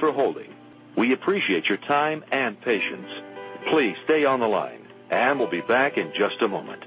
Thanks for holding. We appreciate your time and patience. Please stay on the line, and we'll be back in just a moment.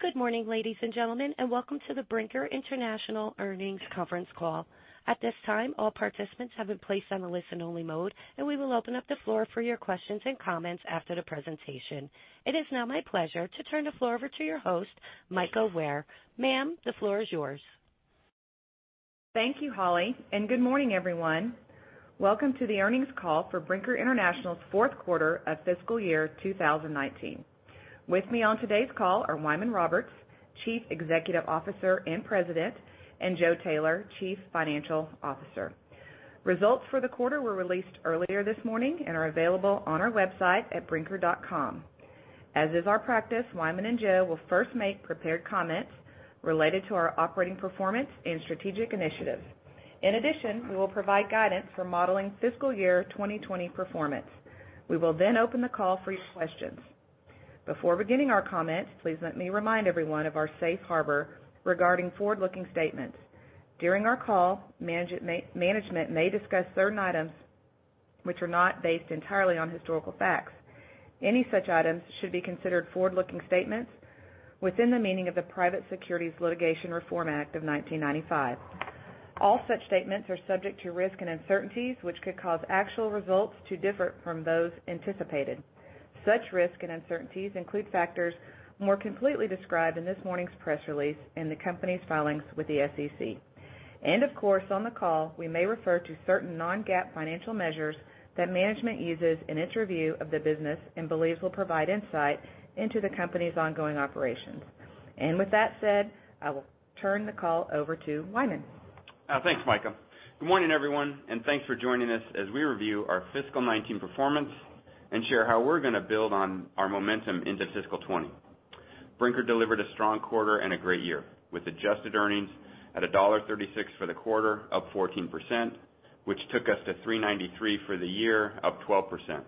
Good morning, ladies and gentlemen, welcome to the Brinker International Earnings Conference Call. At this time, all participants have been placed on a listen-only mode, and we will open up the floor for your questions and comments after the presentation. It is now my pleasure to turn the floor over to your host, Mika Ware. Ma'am, the floor is yours. Thank you, Holly, and good morning, everyone. Welcome to the earnings call for Brinker International's fourth quarter of fiscal year 2019. With me on today's call are Wyman Roberts, Chief Executive Officer and President, and Joe Taylor, Chief Financial Officer. Results for the quarter were released earlier this morning and are available on our website at brinker.com. As is our practice, Wyman and Joe will first make prepared comments related to our operating performance and strategic initiatives. In addition, we will provide guidance for modeling fiscal year 2020 performance. We will then open the call for your questions. Before beginning our comments, please let me remind everyone of our safe harbor regarding forward-looking statements. During our call, management may discuss certain items which are not based entirely on historical facts. Any such items should be considered forward-looking statements within the meaning of the Private Securities Litigation Reform Act of 1995. All such statements are subject to risks and uncertainties, which could cause actual results to differ from those anticipated. Such risks and uncertainties include factors more completely described in this morning's press release in the company's filings with the SEC. Of course, on the call, we may refer to certain non-GAAP financial measures that management uses in its review of the business and believes will provide insight into the company's ongoing operations. With that said, I will turn the call over to Wyman. Thanks, Mika. Good morning, everyone, and thanks for joining us as we review our fiscal 2019 performance and share how we're going to build on our momentum into fiscal 2020. Brinker delivered a strong quarter and a great year with adjusted earnings at $1.36 for the quarter, up 14%, which took us to $3.93 for the year, up 12%.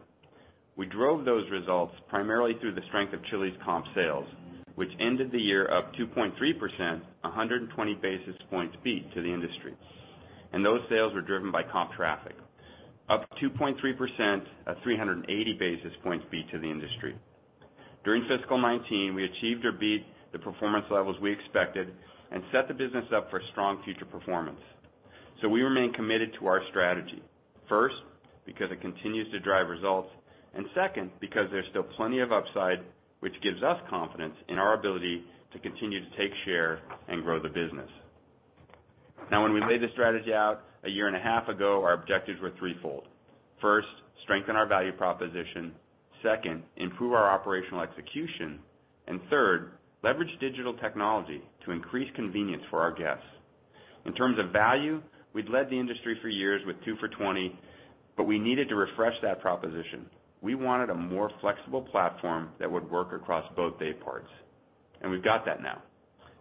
We drove those results primarily through the strength of Chili's comp sales, which ended the year up 2.3%, 120 basis points beat to the industry. Those sales were driven by comp traffic, up 2.3% at 380 basis points beat to the industry. During fiscal 2019, we achieved or beat the performance levels we expected and set the business up for strong future performance. We remain committed to our strategy, first, because it continues to drive results, and second, because there's still plenty of upside, which gives us confidence in our ability to continue to take share and grow the business. When we laid the strategy out a year and a half ago, our objectives were threefold. First, strengthen our value proposition, second, improve our operational execution, and third, leverage digital technology to increase convenience for our guests. In terms of value, we'd led the industry for years with 2 for $20, but we needed to refresh that proposition. We wanted a more flexible platform that would work across both day parts. We've got that now.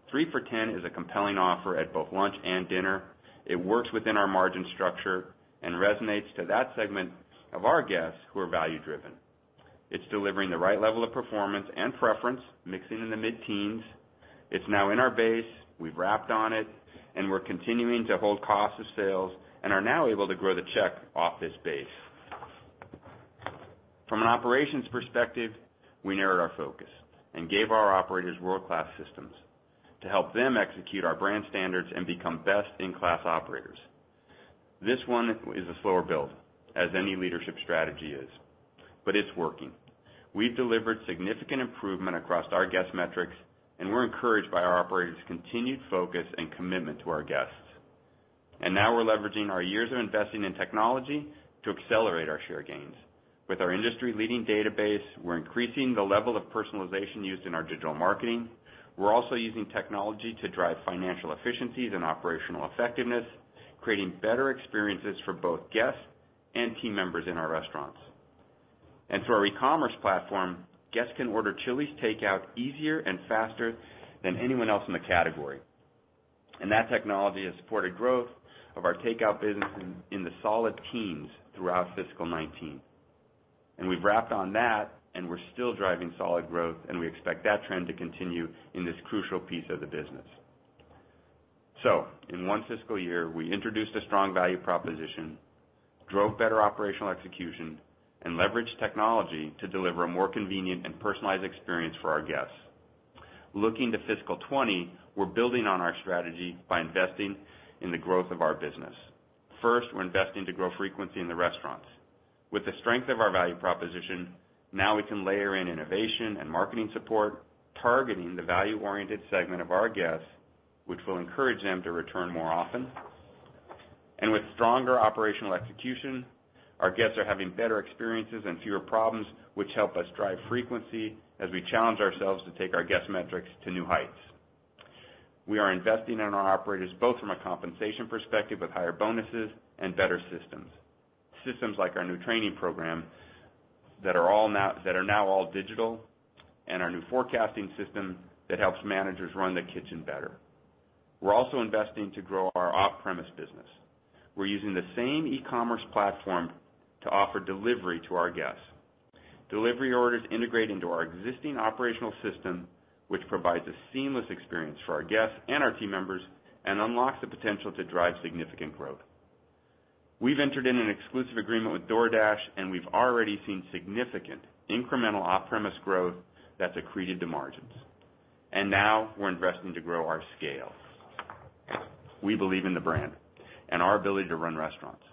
3 for $10 is a compelling offer at both lunch and dinner. It works within our margin structure and resonates to that segment of our guests who are value-driven. It's delivering the right level of performance and preference, mixing in the mid-teens. It's now in our base, we've wrapped on it, We're continuing to hold cost of sales and are now able to grow the check off this base. From an operations perspective, we narrowed our focus and gave our operators world-class systems to help them execute our brand standards and become best-in-class operators. This one is a slower build, as any leadership strategy is, but it's working. We've delivered significant improvement across our guest metrics, We're encouraged by our operators' continued focus and commitment to our guests. Now we're leveraging our years of investing in technology to accelerate our share gains. With our industry-leading database, we're increasing the level of personalization used in our digital marketing. We're also using technology to drive financial efficiencies and operational effectiveness, creating better experiences for both guests and team members in our restaurants. Through our e-commerce platform, guests can order Chili's takeout easier and faster than anyone else in the category. That technology has supported growth of our takeout business in the solid teens throughout fiscal 2019. We've wrapped on that, and we're still driving solid growth, and we expect that trend to continue in this crucial piece of the business. In one fiscal year, we introduced a strong value proposition, drove better operational execution, and leveraged technology to deliver a more convenient and personalized experience for our guests. Looking to fiscal 2020, we're building on our strategy by investing in the growth of our business. First, we're investing to grow frequency in the restaurants. With the strength of our value proposition, now we can layer in innovation and marketing support, targeting the value-oriented segment of our guests, which will encourage them to return more often. With stronger operational execution, our guests are having better experiences and fewer problems, which help us drive frequency as we challenge ourselves to take our guest metrics to new heights. We are investing in our operators, both from a compensation perspective with higher bonuses and better systems. Systems like our new training program that are now all digital and our new forecasting system that helps managers run the kitchen better. We're also investing to grow our off-premise business. We're using the same e-commerce platform to offer delivery to our guests. Delivery orders integrate into our existing operational system, which provides a seamless experience for our guests and our team members and unlocks the potential to drive significant growth. We've entered in an exclusive agreement with DoorDash. We've already seen significant incremental off-premise growth that's accreted to margins. Now we're investing to grow our scale. We believe in the brand and our ability to run restaurants.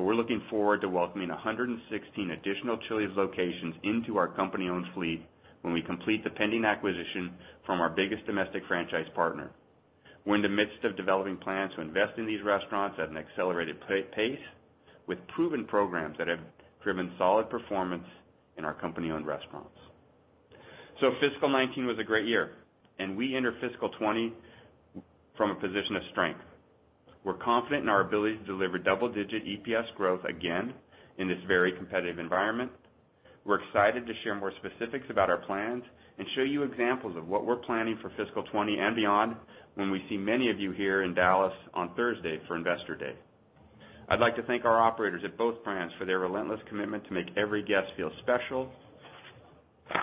We're looking forward to welcoming 116 additional Chili's locations into our company-owned fleet when we complete the pending acquisition from our biggest domestic franchise partner. We're in the midst of developing plans to invest in these restaurants at an accelerated pace, with proven programs that have driven solid performance in our company-owned restaurants. Fiscal 2019 was a great year. We enter fiscal 2020 from a position of strength. We're confident in our ability to deliver double-digit EPS growth again in this very competitive environment. We're excited to share more specifics about our plans and show you examples of what we're planning for fiscal 2020 and beyond when we see many of you here in Dallas on Thursday for Investor Day. I'd like to thank our operators at both brands for their relentless commitment to make every guest feel special.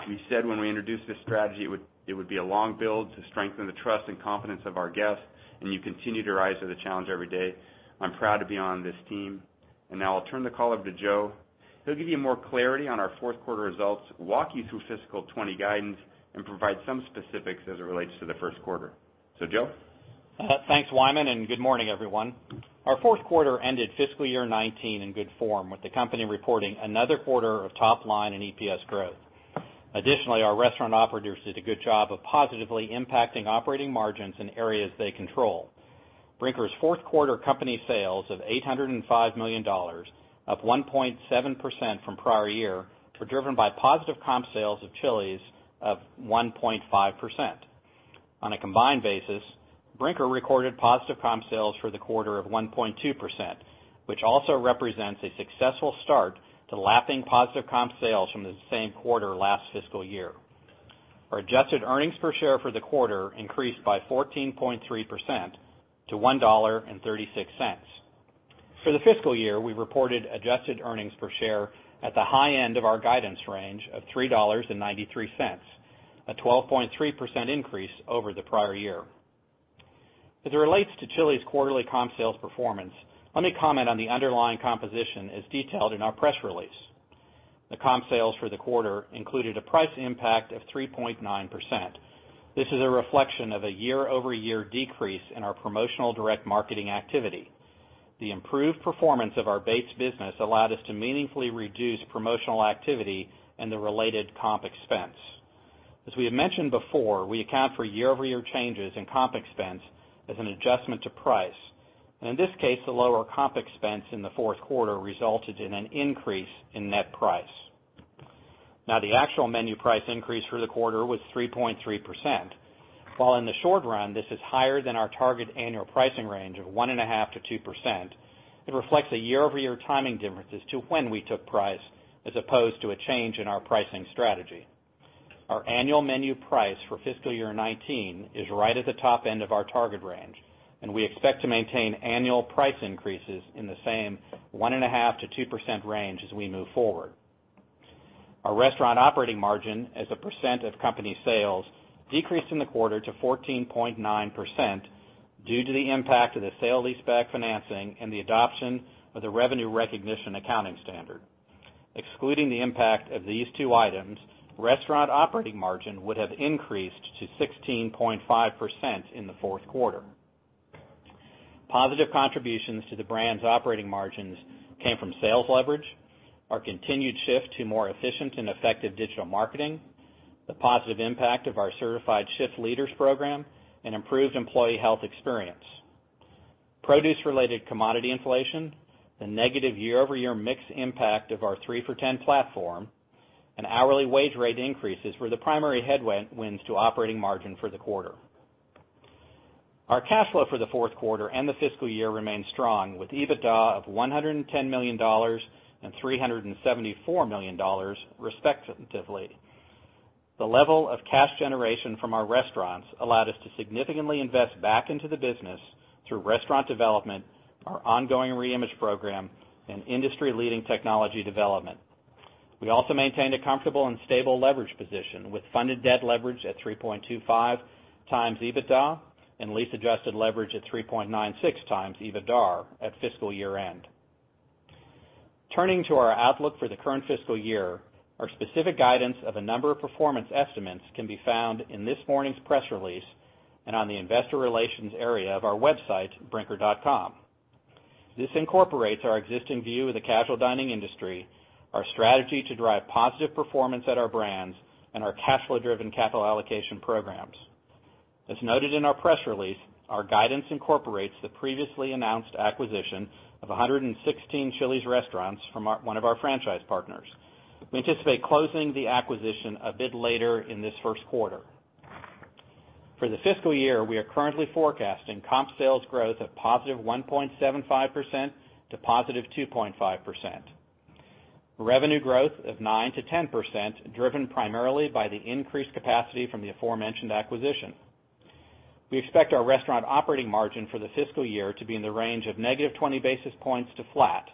We said when we introduced this strategy, it would be a long build to strengthen the trust and confidence of our guests, and you continue to rise to the challenge every day. I'm proud to be on this team. Now I'll turn the call over to Joe. He'll give you more clarity on our fourth quarter results, walk you through fiscal 2020 guidance, and provide some specifics as it relates to the first quarter. Joe? Thanks, Wyman. Good morning, everyone. Our fourth quarter ended fiscal year 2019 in good form, with the company reporting another quarter of top-line and EPS growth. Our restaurant operators did a good job of positively impacting operating margins in areas they control. Brinker's fourth quarter company sales of $805 million, up 1.7% from prior year, were driven by positive comp sales of Chili's of 1.5%. On a combined basis, Brinker recorded positive comp sales for the quarter of 1.2%, which also represents a successful start to lapping positive comp sales from the same quarter last fiscal year. Our adjusted earnings per share for the quarter increased by 14.3% to $1.36. For the fiscal year, we reported adjusted earnings per share at the high end of our guidance range of $3.93, a 12.3% increase over the prior year. As it relates to Chili's quarterly comp sales performance, let me comment on the underlying composition as detailed in our press release. The comp sales for the quarter included a price impact of 3.9%. This is a reflection of a year-over-year decrease in our promotional direct marketing activity. The improved performance of our base business allowed us to meaningfully reduce promotional activity and the related comp expense. As we have mentioned before, we account for year-over-year changes in comp expense as an adjustment to price. In this case, the lower comp expense in the fourth quarter resulted in an increase in net price. The actual menu price increase for the quarter was 3.3%. While in the short run, this is higher than our target annual pricing range of 1.5%-2%, it reflects a year-over-year timing differences to when we took price as opposed to a change in our pricing strategy. Our annual menu price for fiscal year 2019 is right at the top end of our target range, and we expect to maintain annual price increases in the same 1.5%-2% range as we move forward. Our restaurant operating margin as a % of company sales decreased in the quarter to 14.9% due to the impact of the sale-leaseback financing and the adoption of the revenue recognition accounting standard. Excluding the impact of these two items, restaurant operating margin would have increased to 16.5% in the fourth quarter. Positive contributions to the brand's operating margins came from sales leverage, our continued shift to more efficient and effective digital marketing, the positive impact of our Certified Shift Leaders program, and improved employee health experience. Produce-related commodity inflation, the negative year-over-year mix impact of our 3 For Me platform, and hourly wage rate increases were the primary headwinds to operating margin for the quarter. Our cash flow for the fourth quarter and the fiscal year remained strong, with EBITDA of $110 million and $374 million, respectively. The level of cash generation from our restaurants allowed us to significantly invest back into the business through restaurant development, our ongoing reimage program, and industry-leading technology development. We also maintained a comfortable and stable leverage position with funded debt leverage at 3.25 times EBITDA and lease-adjusted leverage at 3.96 times EBITDAR at fiscal year-end. Turning to our outlook for the current fiscal year, our specific guidance of a number of performance estimates can be found in this morning's press release and on the investor relations area of our website, brinker.com. This incorporates our existing view of the casual dining industry, our strategy to drive positive performance at our brands, and our cash flow-driven capital allocation programs. As noted in our press release, our guidance incorporates the previously announced acquisition of 116 Chili's restaurants from one of our franchise partners. We anticipate closing the acquisition a bit later in this first quarter. For the fiscal year, we are currently forecasting comp sales growth of +1.75% to +2.5%. Revenue growth of 9%-10%, driven primarily by the increased capacity from the aforementioned acquisition. We expect our restaurant operating margin for the fiscal year to be in the range of negative 20 basis points to flat.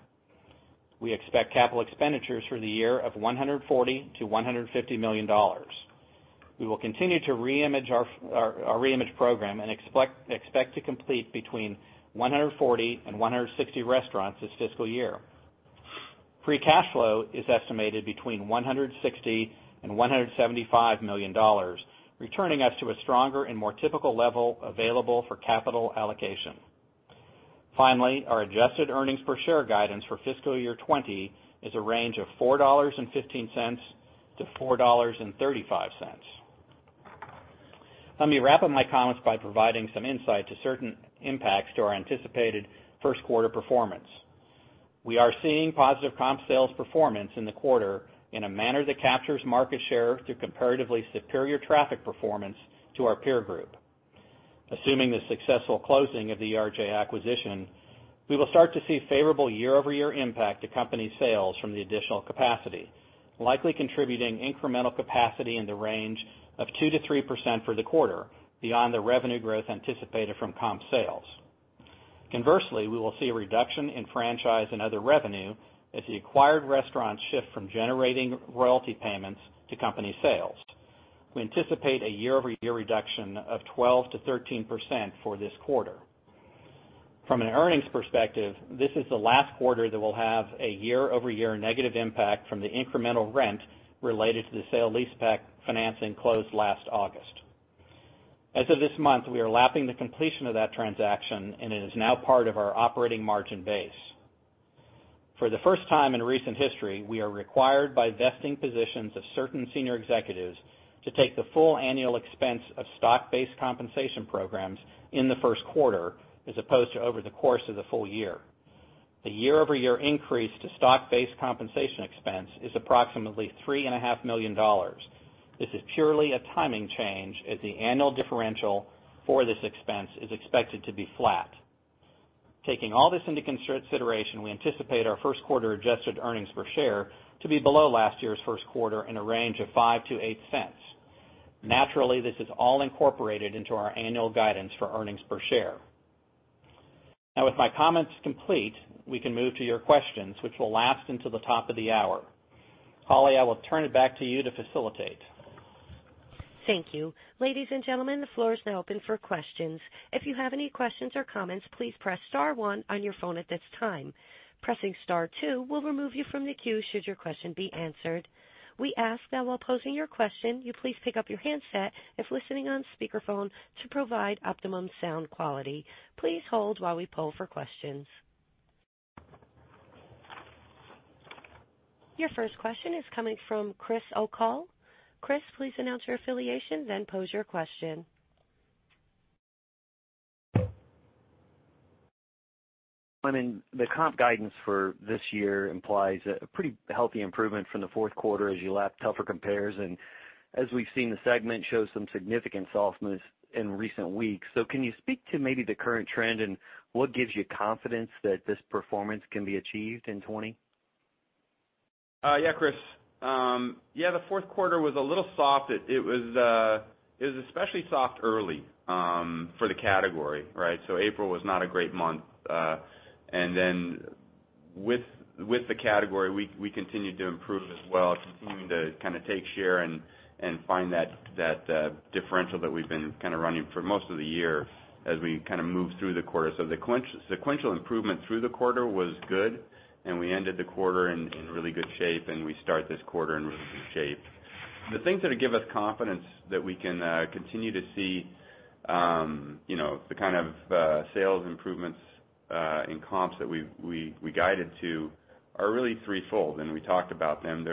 We expect capital expenditures for the year of $140 to $150 million. We will continue our reimage program and expect to complete between 140 and 160 restaurants this fiscal year. Free cash flow is estimated between $160 and $175 million, returning us to a stronger and more typical level available for capital allocation. Finally, our adjusted EPS guidance for fiscal year 2020 is a range of $4.15 to $4.35. Let me wrap up my comments by providing some insight to certain impacts to our anticipated first quarter performance. We are seeing positive comp sales performance in the quarter in a manner that captures market share through comparatively superior traffic performance to our peer group. Assuming the successful closing of the ERJ acquisition, we will start to see favorable year-over-year impact to company sales from the additional capacity, likely contributing incremental capacity in the range of 2%-3% for the quarter, beyond the revenue growth anticipated from comp sales. Conversely, we will see a reduction in franchise and other revenue as the acquired restaurants shift from generating royalty payments to company sales. We anticipate a year-over-year reduction of 12%-13% for this quarter. From an earnings perspective, this is the last quarter that we'll have a year-over-year negative impact from the incremental rent related to the sale-leaseback financing closed last August. As of this month, we are lapping the completion of that transaction, and it is now part of our operating margin base. For the first time in recent history, we are required by vesting positions of certain senior executives to take the full annual expense of stock-based compensation programs in the first quarter, as opposed to over the course of the full year. The year-over-year increase to stock-based compensation expense is approximately $3.5 million. This is purely a timing change, as the annual differential for this expense is expected to be flat. Taking all this into consideration, we anticipate our first quarter adjusted earnings per share to be below last year's first quarter in a range of $0.05-$0.08. Naturally, this is all incorporated into our annual guidance for earnings per share. Now with my comments complete, we can move to your questions, which will last until the top of the hour. Holly, I will turn it back to you to facilitate. Thank you. Ladies and gentlemen, the floor is now open for questions. If you have any questions or comments, please press star one on your phone at this time. Pressing star two will remove you from the queue, should your question be answered. We ask that while posing your question, you please pick up your handset if listening on speakerphone, to provide optimum sound quality. Please hold while we poll for questions. Your first question is coming from Chris O'Cull. Chris, please announce your affiliation, then pose your question. I mean, the comp guidance for this year implies a pretty healthy improvement from the fourth quarter as you lap tougher compares. As we've seen, the segment show some significant softness in recent weeks. Can you speak to maybe the current trend and what gives you confidence that this performance can be achieved in 2020? Chris, the fourth quarter was a little soft. It was especially soft early for the category, right? April was not a great month. With the category, we continued to improve as well, continuing to take share and find that differential that we've been running for most of the year as we move through the quarter. The sequential improvement through the quarter was good, and we ended the quarter in really good shape, and we start this quarter in really good shape. The things that give us confidence that we can continue to see the kind of sales improvements in comps that we guided to are really threefold, and we talked about them.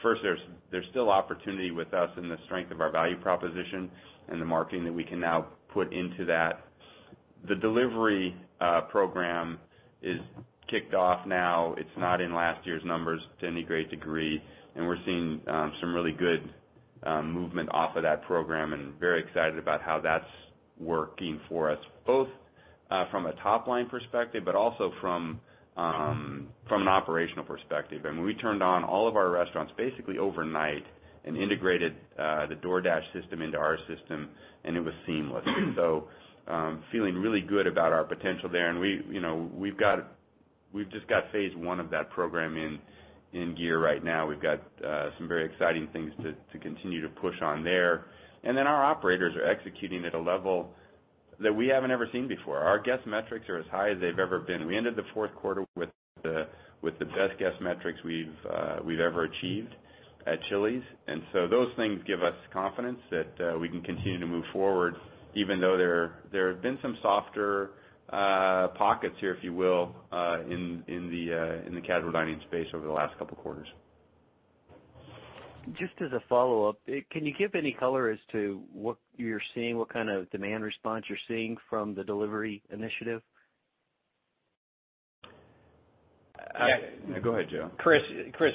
First, there's still opportunity with us and the strength of our value proposition and the marketing that we can now put into that. The delivery program is kicked off now. It's not in last year's numbers to any great degree, We're seeing some really good movement off of that program, Very excited about how that's working for us, both from a top-line perspective, but also from an operational perspective. I mean, we turned on all of our restaurants basically overnight and integrated the DoorDash system into our system, It was seamless. Feeling really good about our potential there. We've just got phase 1 of that program in gear right now. We've got some very exciting things to continue to push on there. Our operators are executing at a level that we haven't ever seen before. Our guest metrics are as high as they've ever been. We ended the fourth quarter with the best guest metrics we've ever achieved at Chili's. Those things give us confidence that we can continue to move forward, even though there have been some softer pockets here, if you will, in the casual dining space over the last couple of quarters. Just as a follow-up, can you give any color as to what you're seeing, what kind of demand response you're seeing from the delivery initiative? Yeah. No, go ahead, Joe. Chris,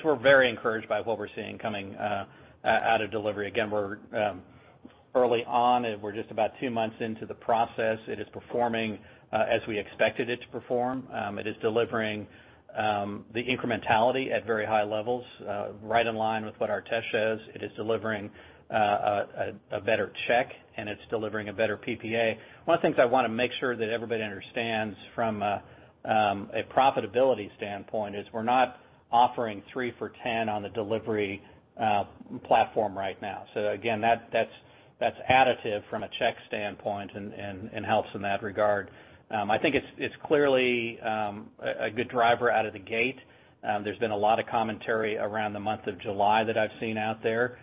we're very encouraged by what we're seeing coming out of delivery. Again, we're early on, and we're just about two months into the process, it is performing as we expected it to perform. It is delivering the incrementality at very high levels right in line with what our test shows. It is delivering a better check, and it's delivering a better PPA. One of the things I want to make sure that everybody understands from a profitability standpoint is we're not offering three for 10 on the delivery platform right now. Again, that's additive from a check standpoint and helps in that regard. I think it's clearly a good driver out of the gate. There's been a lot of commentary around the month of July that I've seen out there.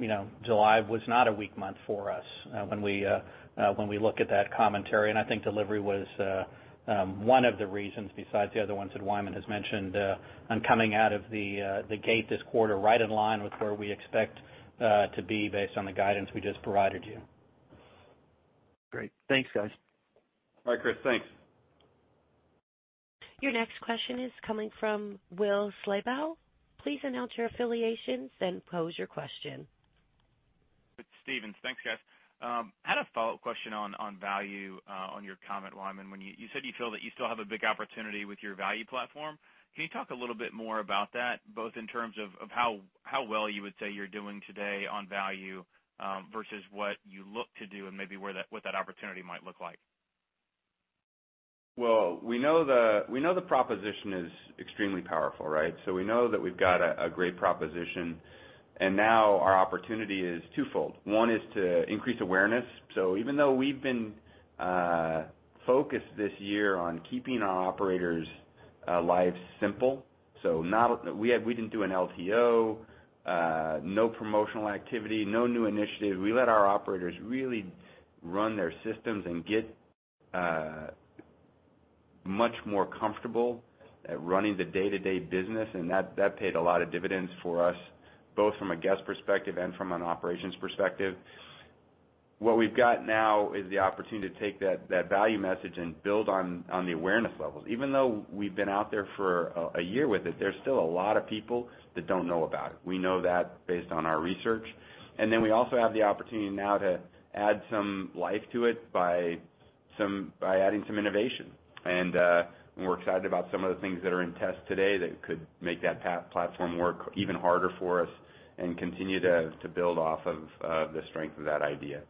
July was not a weak month for us when we look at that commentary. I think delivery was one of the reasons, besides the other ones that Wyman has mentioned, on coming out of the gate this quarter right in line with where we expect to be based on the guidance we just provided you. Great. Thanks, guys. Bye, Chris. Thanks. Your next question is coming from Will Slabaugh. Please announce your affiliations, then pose your question. With Stephens. Thanks, guys. I had a follow-up question on value on your comment, Wyman. You said you feel that you still have a big opportunity with your value platform. Can you talk a little bit more about that, both in terms of how well you would say you're doing today on value versus what you look to do and maybe what that opportunity might look like? We know the proposition is extremely powerful, right? We know that we've got a great proposition, and now our opportunity is twofold. One is to increase awareness. Even though we've been focused this year on keeping our operators' lives simple, so we didn't do an LTO, no promotional activity, no new initiatives. We let our operators really run their systems and get much more comfortable at running the day-to-day business, and that paid a lot of dividends for us, both from a guest perspective and from an operations perspective. What we've got now is the opportunity to take that value message and build on the awareness levels. Even though we've been out there for a year with it, there's still a lot of people that don't know about it. We know that based on our research. We also have the opportunity now to add some life to it by adding some innovation. We're excited about some of the things that are in test today that could make that platform work even harder for us and continue to build off of the strength of that idea.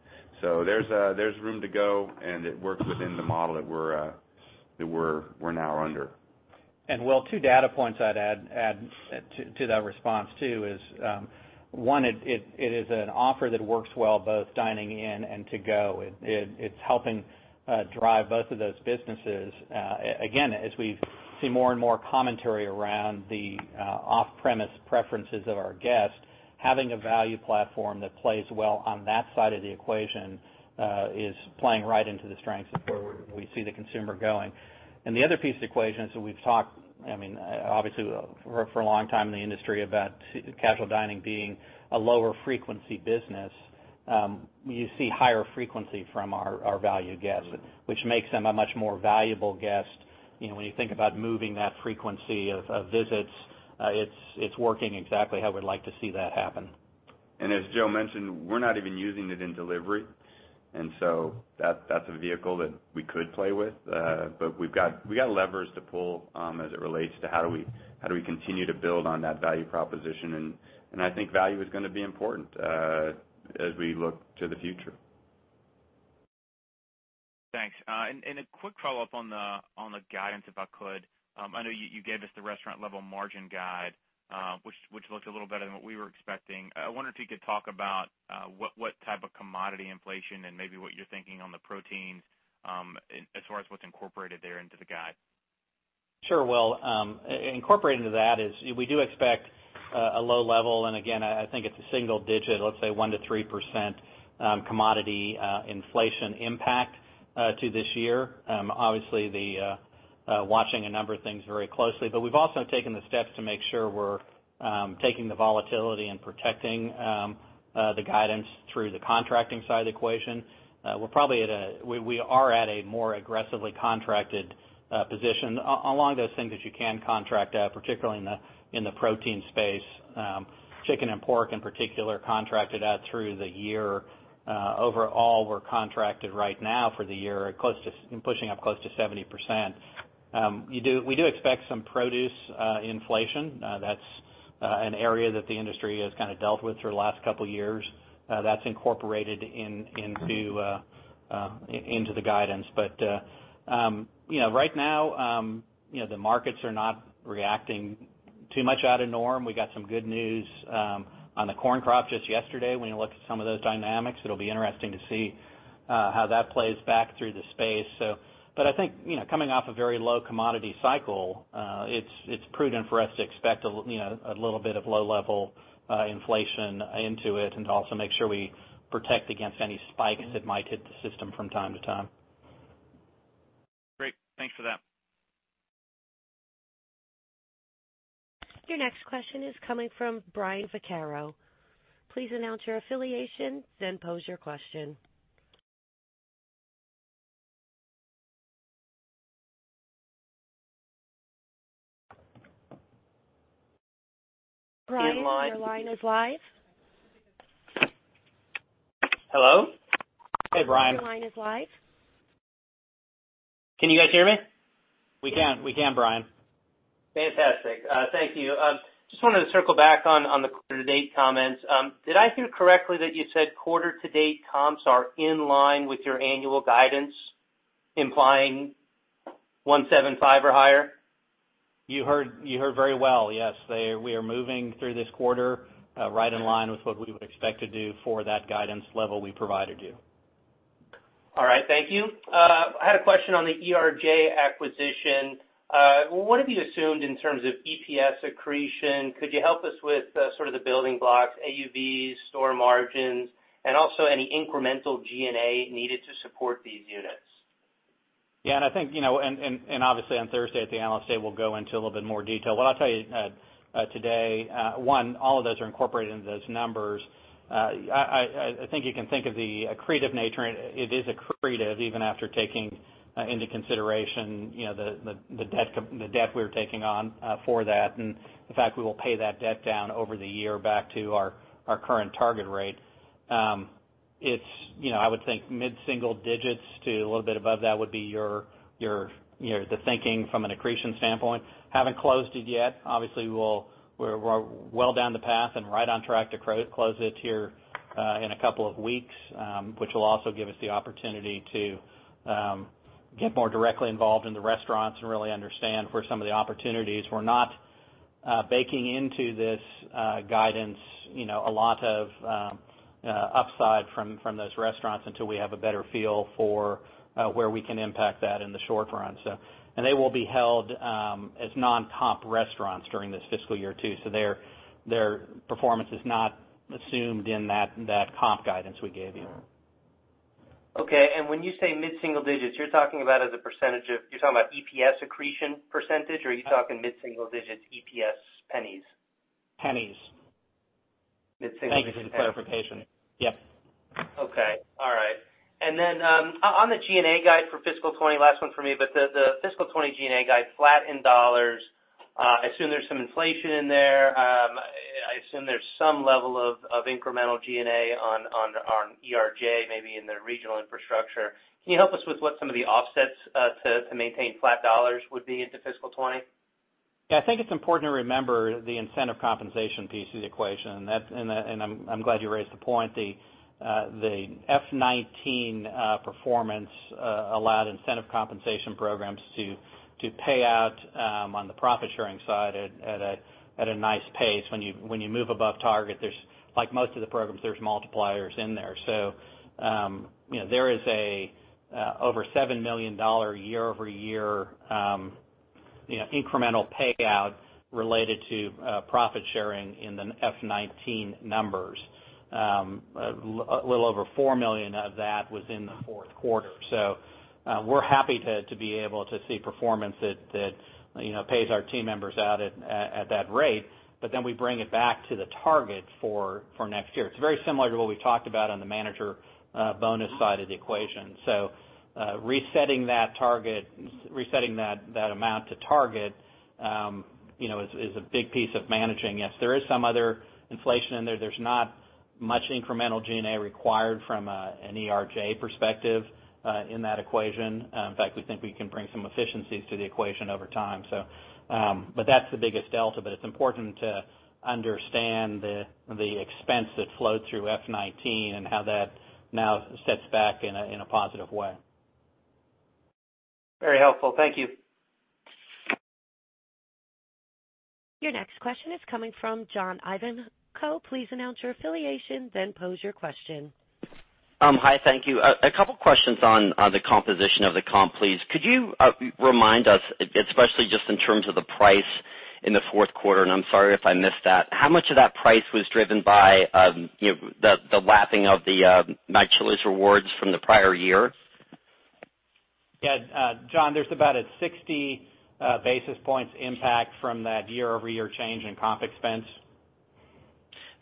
There's room to go, and it works within the model that we're now under. Will, two data points I'd add to that response too is, one, it is an offer that works well both dining in and to go. It's helping drive both of those businesses. As we see more and more commentary around the off-premise preferences of our guests, having a value platform that plays well on that side of the equation is playing right into the strengths of where we see the consumer going. The other piece of the equation, we've talked, obviously, for a long time in the industry about casual dining being a lower frequency business. You see higher frequency from our value guests, which makes them a much more valuable guest. When you think about moving that frequency of visits, it's working exactly how we'd like to see that happen. As Joe mentioned, we're not even using it in delivery, that's a vehicle that we could play with. We got levers to pull as it relates to how do we continue to build on that value proposition. I think value is going to be important as we look to the future. Thanks. A quick follow-up on the guidance, if I could. I know you gave us the restaurant-level margin guide, which looked a little better than what we were expecting. I wonder if you could talk about what type of commodity inflation and maybe what you're thinking on the proteins as far as what's incorporated there into the guide. Sure. Will, incorporated into that is we do expect a low level, and again, I think it's a single digit, let's say 1%-3% commodity inflation impact to this year. Obviously, watching a number of things very closely. We've also taken the steps to make sure we're taking the volatility and protecting the guidance through the contracting side of the equation. We are at a more aggressively contracted position along those things that you can contract at, particularly in the protein space. Chicken and pork, in particular, contracted out through the year. Overall, we're contracted right now for the year, pushing up close to 70%. We do expect some produce inflation. That's an area that the industry has dealt with for the last couple of years. That's incorporated into the guidance. Right now, the markets are not reacting too much out of norm. We got some good news on the corn crop just yesterday. We're going to look at some of those dynamics. It'll be interesting to see how that plays back through the space. I think coming off a very low commodity cycle, it's prudent for us to expect a little bit of low-level inflation into it and to also make sure we protect against any spikes that might hit the system from time to time. Great. Thanks for that. Your next question is coming from Brian Vaccaro. Please announce your affiliation, then pose your question. Brian, your line is live. Hello? Hey, Brian. Your line is live. Can you guys hear me? We can, Brian. Fantastic. Thank you. Just wanted to circle back on the quarter to date comments. Did I hear correctly that you said quarter to date comps are in line with your annual guidance, implying 175 or higher? You heard very well. Yes. We are moving through this quarter right in line with what we would expect to do for that guidance level we provided you. All right. Thank you. I had a question on the ERJ acquisition. What have you assumed in terms of EPS accretion? Could you help us with sort of the building blocks, AUVs, store margins, and also any incremental G&A needed to support these units? Yeah, obviously on Thursday at the Investor Day, we'll go into a little bit more detail. What I'll tell you today, one, all of those are incorporated into those numbers. I think you can think of the accretive nature, it is accretive even after taking into consideration the debt we're taking on for that. The fact we will pay that debt down over the year back to our current target rate. I would think mid-single digits to a little bit above that would be the thinking from an accretion standpoint. Haven't closed it yet. Obviously, we're well down the path and right on track to close it here in a couple of weeks, which will also give us the opportunity to get more directly involved in the restaurants and really understand where some of the opportunities. We're not baking into this guidance a lot of upside from those restaurants until we have a better feel for where we can impact that in the short run. They will be held as non-comp restaurants during this fiscal year too. Their performance is not assumed in that comp guidance we gave you. Okay. When you say mid-single digits, you're talking about as a percentage of, you're talking about EPS accretion percentage, or are you talking mid-single digits EPS pennies? Pennies. Mid-single digit pennies. Thank you for the clarification. Yep. Okay. All right. On the G&A guide for fiscal 2020, last one for me, but the fiscal 2020 G&A guide flat in dollars. I assume there's some inflation in there. I assume there's some level of incremental G&A on ERJ, maybe in the regional infrastructure. Can you help us with what some of the offsets, to maintain flat dollars would be into fiscal 2020? I think it's important to remember the incentive compensation piece of the equation, and I'm glad you raised the point. The FY 2019 performance allowed incentive compensation programs to pay out, on the profit-sharing side at a nice pace. When you move above target, like most of the programs, there's multipliers in there. There is a over $7 million year-over-year incremental payout related to profit-sharing in the FY 2019 numbers. A little over $4 million of that was in the fourth quarter. We're happy to be able to see performance that pays our team members out at that rate, we bring it back to the target for next year. It's very similar to what we talked about on the manager bonus side of the equation. Resetting that amount to target is a big piece of managing. Yes, there is some other inflation in there. There's not much incremental G&A required from an ERJ perspective in that equation. In fact, we think we can bring some efficiencies to the equation over time. That's the biggest delta. It's important to understand the expense that flowed through F19 and how that now sets back in a positive way. Very helpful. Thank you. Your next question is coming from Jon Ivanko. Please announce your affiliation, then pose your question. Hi, thank you. A couple questions on the composition of the comp, please. Could you remind us, especially just in terms of the price in the fourth quarter, and I'm sorry if I missed that. How much of that price was driven by the lapping of the My Chili's Rewards from the prior year? Yeah, Jon, there's about a 60 basis points impact from that year-over-year change in comp expense.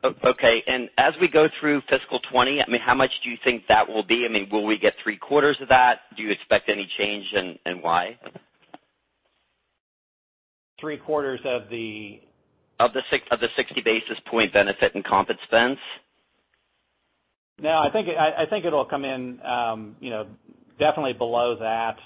Okay. As we go through fiscal 2020, how much do you think that will be? Will we get three-quarters of that? Do you expect any change, and why? Three quarters of the? Of the 60-basis point benefit in comp expense. No, I think it'll come in definitely below that.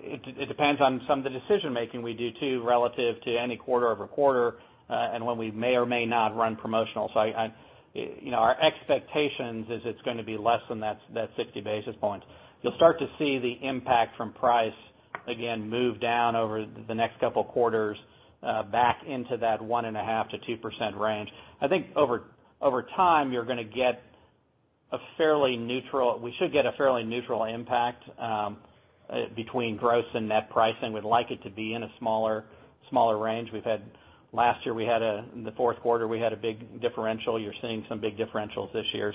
It depends on some of the decision making we do too, relative to any quarter-over-quarter, and when we may or may not run promotionals. Our expectations is it's going to be less than that 60 basis points. You'll start to see the impact from price again move down over the next couple quarters, back into that 1.5%-2% range. I think over time, we should get a fairly neutral impact, between gross and net pricing. We'd like it to be in a smaller range. Last year in the fourth quarter, we had a big differential. You're seeing some big differentials this year.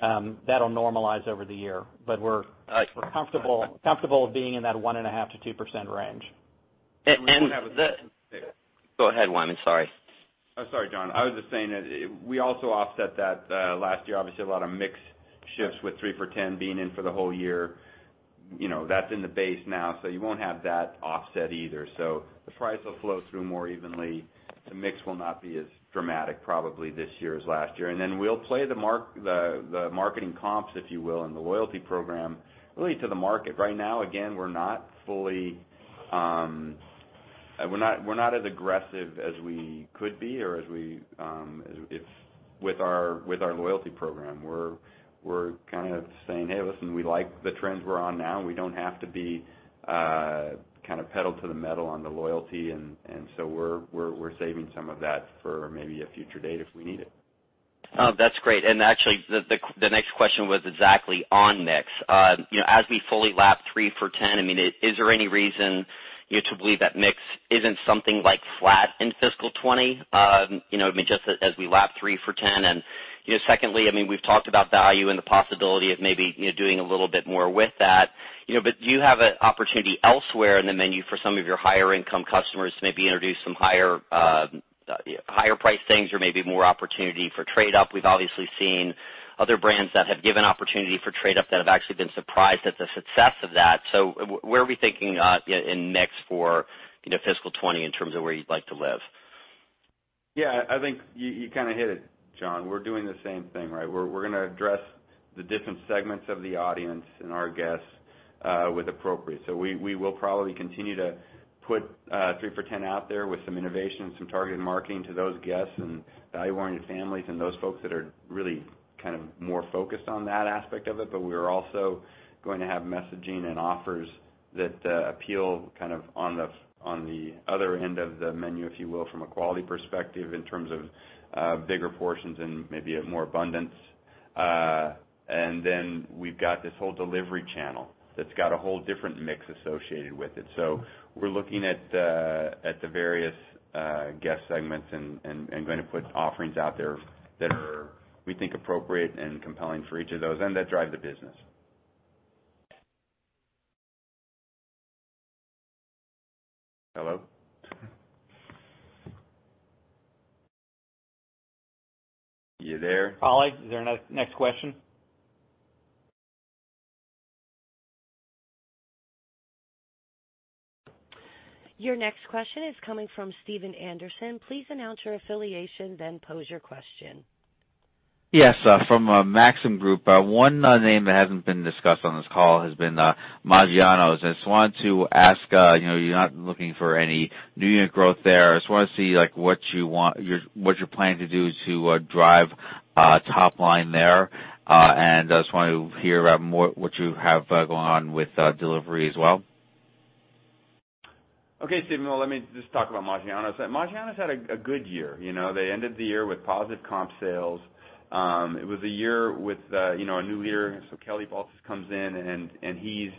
That'll normalize over the year. I see. comfortable being in that 1.5%-2% range. Go ahead, Wyman. Sorry. Oh, sorry, Jon. I was just saying that we also offset that last year, obviously, a lot of mix shifts with 3 for $10 being in for the whole year. That's in the base now, you won't have that offset either. The price will flow through more evenly. The mix will not be as dramatic probably this year as last year. We'll play the marketing comps, if you will, and the loyalty program really to the market. Right now, again, we're not as aggressive as we could be or with our loyalty program. We're saying, "Hey, listen, we like the trends we're on now. we don't have to be pedal to the metal on the loyalty." We're saving some of that for maybe a future date if we need it. Oh, that's great. Actually, the next question was exactly on mix. As we fully lap 3 for $10, is there any reason to believe that mix isn't something like flat in fiscal 2020, just as we lap 3 for $10? Secondly, we've talked about value and the possibility of maybe doing a little bit more with that, but do you have an opportunity elsewhere in the menu for some of your higher income customers to maybe introduce some higher priced things or maybe more opportunity for trade up? We've obviously seen other brands that have given opportunity for trade up that have actually been surprised at the success of that. Where are we thinking in mix for fiscal 2020 in terms of where you'd like to live? Yeah, I think you hit it, Jon. We're doing the same thing, right? We're going to address the different segments of the audience and our guests with appropriate. We will probably continue to put 3 For $10 out there with some innovation, some targeted marketing to those guests, and value-oriented families, and those folks that are really more focused on that aspect of it. We're also going to have messaging and offers that appeal on the other end of the menu, if you will, from a quality perspective in terms of bigger portions and maybe more abundance. Then we've got this whole delivery channel that's got a whole different mix associated with it. We're looking at the various guest segments and going to put offerings out there that are, we think, appropriate and compelling for each of those, and that drive the business. Hello? You there? Holly, is there a next question? Your next question is coming from Stephen Anderson. Please announce your affiliation, then pose your question. Yes, from Maxim Group. One name that hasn't been discussed on this call has been Maggiano's. I just wanted to ask, you're not looking for any new unit growth there. I just want to see what you're planning to do to drive top line there, and I just wanted to hear about what you have going on with delivery as well. Okay, Stephen, well, let me just talk about Maggiano's. Maggiano's had a good year. They ended the year with positive comp sales. It was a year with a new leader. Kelly Baltes comes in, and he's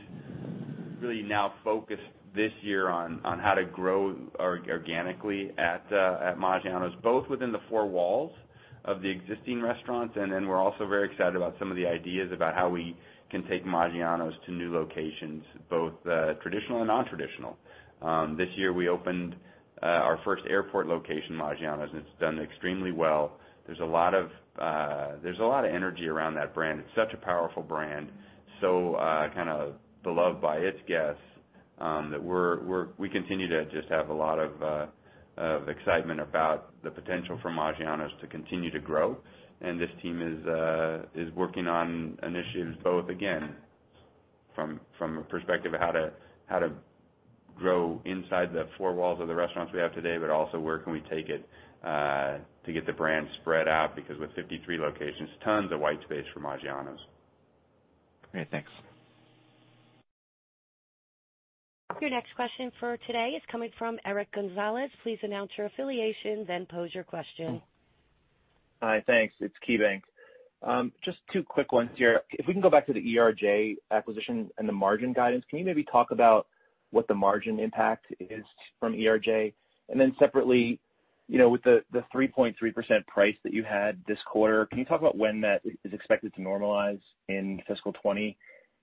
really now focused this year on how to grow organically at Maggiano's, both within the four walls of the existing restaurants. Then we're also very excited about some of the ideas about how we can take Maggiano's to new locations, both traditional and non-traditional. This year, we opened our first airport location, Maggiano's, and it's done extremely well. There's a lot of energy around that brand. It's such a powerful brand, so beloved by its guests, that we continue to just have a lot of excitement about the potential for Maggiano's to continue to grow. This team is working on initiatives, both, again, from a perspective of how to grow inside the four walls of the restaurants we have today, but also where can we take it to get the brand spread out, because with 53 locations, tons of white space for Maggiano's. Great. Thanks. Your next question for today is coming from Eric Gonzalez. Please announce your affiliation, then pose your question. Hi, thanks. It's KeyBanc. Just two quick ones here. If we can go back to the ERJ acquisition and the margin guidance, can you maybe talk about what the margin impact is from ERJ? Separately, with the 3.3% price that you had this quarter, can you talk about when that is expected to normalize in fiscal 2020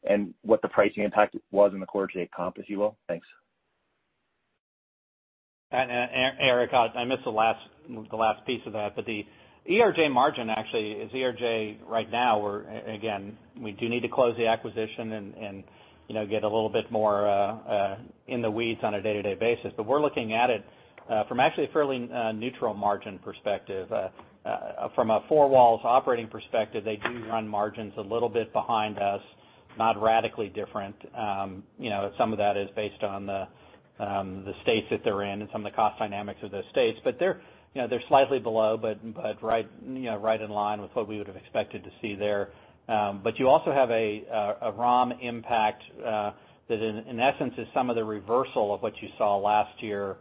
and what the pricing impact was in the quarter to date comp, if you will? Thanks. Eric, I missed the last piece of that, the ERJ margin actually is ERJ right now, where again, we do need to close the acquisition and get a little bit more in the weeds on a day-to-day basis. We're looking at it from actually a fairly neutral margin perspective. From a four walls operating perspective, they do run margins a little bit behind us, not radically different. Some of that is based on the states that they're in and some of the cost dynamics of those states. They're slightly below, but right in line with what we would've expected to see there. You also have a ROM impact that in essence is some of the reversal of what you saw last year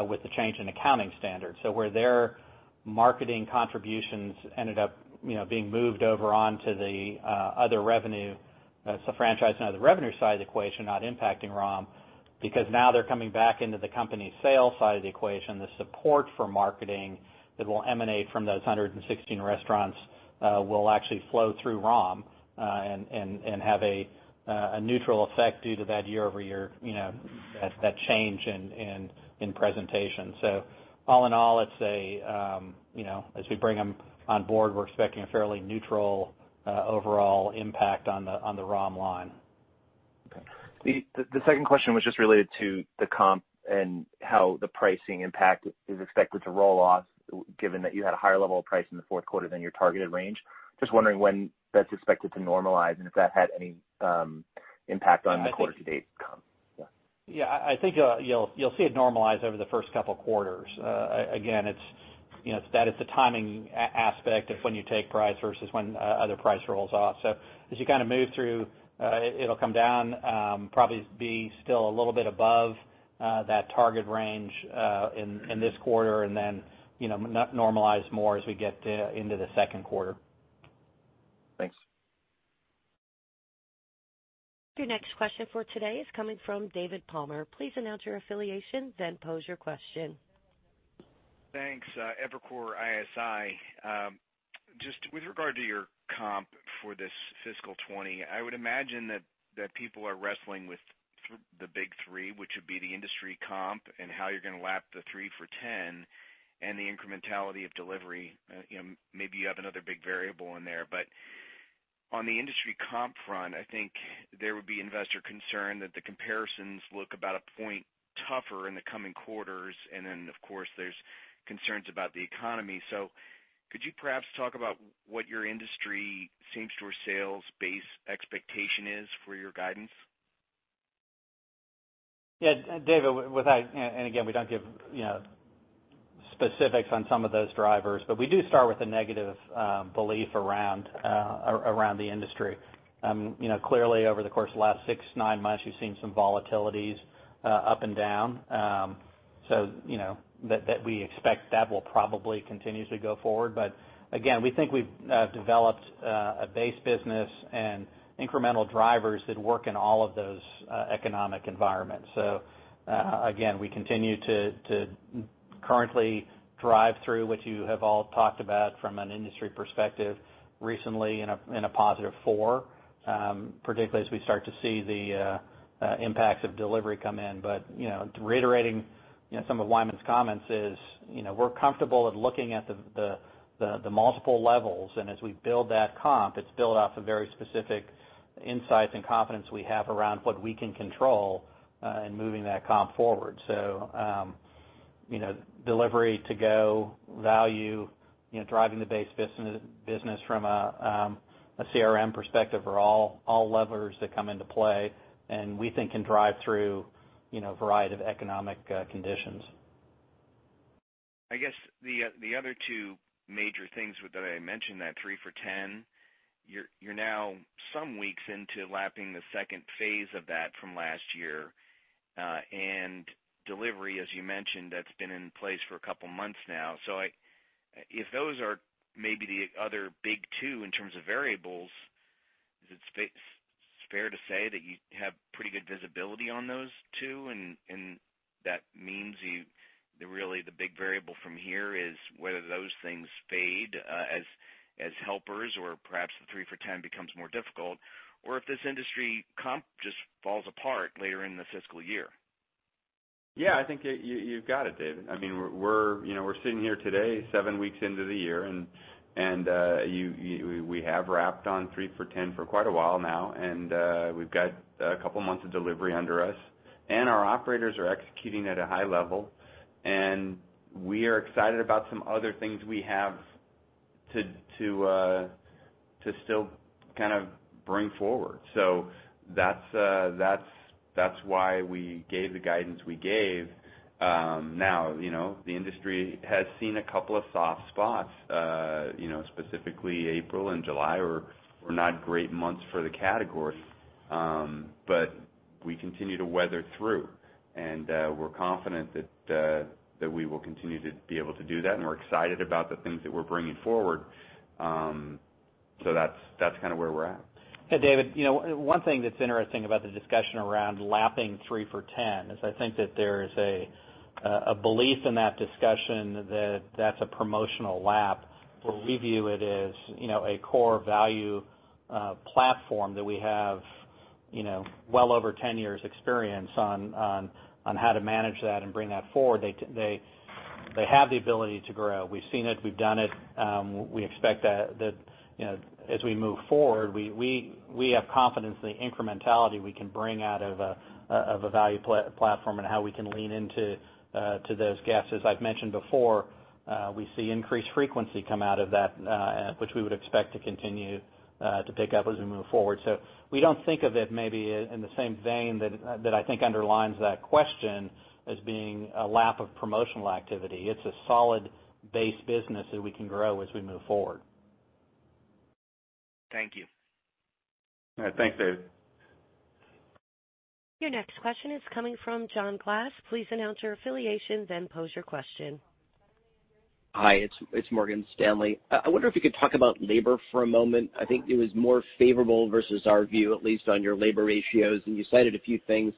with the change in accounting standards. Where their marketing contributions ended up being moved over onto the other revenue. That's a franchise now, the revenue side of the equation, not impacting ROM, because now they're coming back into the company sales side of the equation. The support for marketing that will emanate from those 116 restaurants will actually flow through ROM, and have a neutral effect due to that year-over-year, that change in presentation. All in all, as we bring them on board, we're expecting a fairly neutral overall impact on the ROM line. Okay. The second question was just related to the comp and how the pricing impact is expected to roll off, given that you had a higher level of price in the fourth quarter than your targeted range. Just wondering when that's expected to normalize and if that had any impact on the quarter to date comp. Yeah. I think you'll see it normalize over the first couple of quarters. Again, that is the timing aspect of when you take price versus when other price rolls off. As you move through, it'll come down, probably be still a little bit above that target range in this quarter and then normalize more as we get into the second quarter. Thanks. Your next question for today is coming from David Palmer. Please announce your affiliation, then pose your question. Thanks. Evercore ISI. Just with regard to your comp for this fiscal 2020, I would imagine that people are wrestling with the big three, which would be the industry comp and how you're going to lap the 3 for $10 and the incrementality of delivery. Maybe you have another big variable in there. On the industry comp front, I think there would be investor concern that the comparisons look about one point tougher in the coming quarters. Of course, there's concerns about the economy. Could you perhaps talk about what your industry same-store sales base expectation is for your guidance? David, again, we don't give specifics on some of those drivers, but we do start with a negative belief around the industry. Clearly, over the course of the last six, nine months, you've seen some volatilities up and down. We expect that will probably continue to go forward. Again, we think we've developed a base business and incremental drivers that work in all of those economic environments. Again, we continue to currently drive through what you have all talked about from an industry perspective recently in a positive four, particularly as we start to see the impacts of delivery come in. Reiterating some of Wyman's comments is, we're comfortable at looking at the multiple levels, and as we build that comp, it's built off of very specific insights and confidence we have around what we can control in moving that comp forward. Delivery, to-go, value, driving the base business from a CRM perspective are all levers that come into play, and we think can drive through a variety of economic conditions. I guess the other two major things that I mentioned, that 3 For $10, you're now some weeks into lapping the second phase of that from last year. Delivery, as you mentioned, that's been in place for a couple of months now. If those are maybe the other big two in terms of variables, is it fair to say that you have pretty good visibility on those two? That means really the big variable from here is whether those things fade as helpers or perhaps the 3 For $10 becomes more difficult or if this industry comp just falls apart later in the fiscal year. Yeah, I think you've got it, David. We're sitting here today, seven weeks into the year, we have wrapped on 3 for $10 for quite a while now. We've got a couple of months of delivery under us, and our operators are executing at a high level. We are excited about some other things we have to still kind of bring forward. That's why we gave the guidance we gave. Now, the industry has seen a couple of soft spots. Specifically April and July were not great months for the category. We continue to weather through, and we're confident that we will continue to be able to do that, and we're excited about the things that we're bringing forward. That's kind of where we're at. Yeah, David, one thing that's interesting about the discussion around lapping 3 for $10 is I think that there is a belief in that discussion that that's a promotional lap. We view it as a core value platform that we have well over 10 years experience on how to manage that and bring that forward. They have the ability to grow. We've seen it. We've done it. We expect that as we move forward, we have confidence in the incrementality we can bring out of a value platform and how we can lean into those guests. As I've mentioned before, we see increased frequency come out of that, which we would expect to continue to pick up as we move forward. We don't think of it maybe in the same vein that I think underlines that question as being a lap of promotional activity. It's a solid base business that we can grow as we move forward. Thank you. All right. Thanks, David. Your next question is coming from Jon Glass. Please announce your affiliation, then pose your question. Hi, it's Morgan Stanley. I wonder if you could talk about labor for a moment. I think it was more favorable versus our view, at least on your labor ratios. You cited a few things,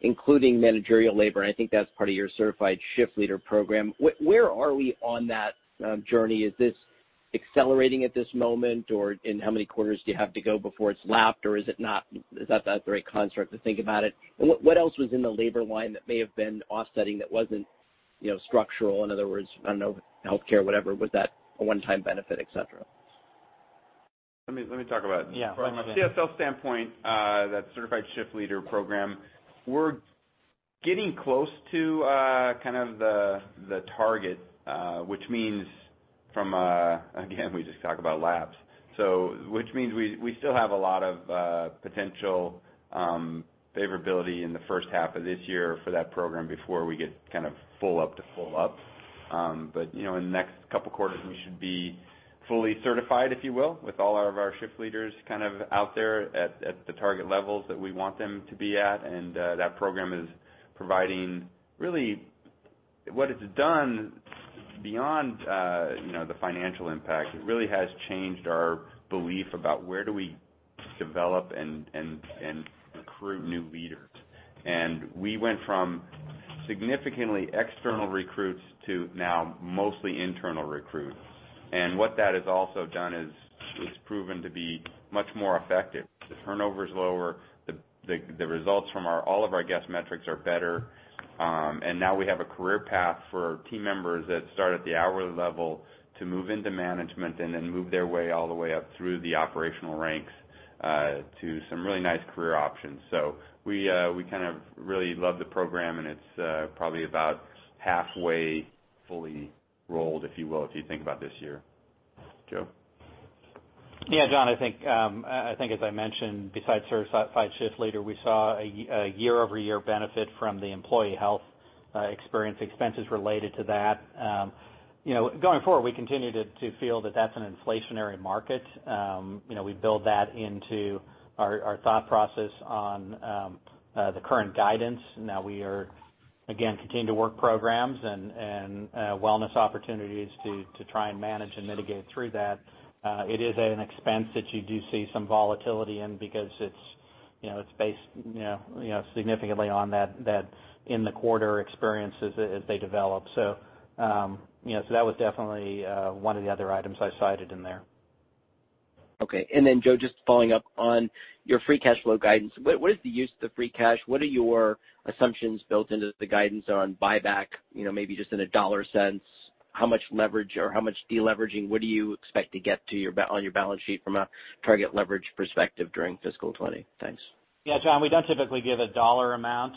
including managerial labor, and I think that's part of your Certified Shift Leader Program. Where are we on that journey? Is this accelerating at this moment, or in how many quarters do you have to go before it's lapped, or is that not the right construct to think about it? What else was in the labor line that may have been offsetting that wasn't structural, in other words, I don't know, healthcare, whatever, was that a one-time benefit, et cetera? Let me talk about it. Yeah. From a CSL standpoint, that Certified Shift Leader program, we're getting close to the target, which means again, we just talk about laps. Which means we still have a lot of potential favorability in the first half of this year for that program before we get full up to full up. In the next couple of quarters, we should be fully certified, if you will, with all of our shift leaders out there at the target levels that we want them to be at. That program is providing what it's done beyond the financial impact, it really has changed our belief about where do we develop and recruit new leaders. We went from significantly external recruits to now mostly internal recruits. What that has also done is it's proven to be much more effective. The turnover is lower, the results from all of our guest metrics are better. Now we have a career path for team members that start at the hourly level to move into management and then move their way all the way up through the operational ranks to some really nice career options. We really love the program and it's probably about halfway fully rolled, if you will, if you think about this year. Joe? Jon, I think as I mentioned, besides certified shift leader, we saw a year-over-year benefit from the employee health experience expenses related to that. Going forward, we continue to feel that that's an inflationary market. We build that into our thought process on the current guidance, and that we are, again, continuing to work programs and wellness opportunities to try and manage and mitigate through that. It is an expense that you do see some volatility in because it's based significantly on that in the quarter experiences as they develop. That was definitely one of the other items I cited in there. Okay. Joe, just following up on your free cash flow guidance, what is the use of the free cash? What are your assumptions built into the guidance on buyback, maybe just in a dollar sense, how much leverage or how much de-leveraging, what do you expect to get on your balance sheet from a target leverage perspective during fiscal 2020? Thanks. Yeah, Jon, we don't typically give a dollar amount.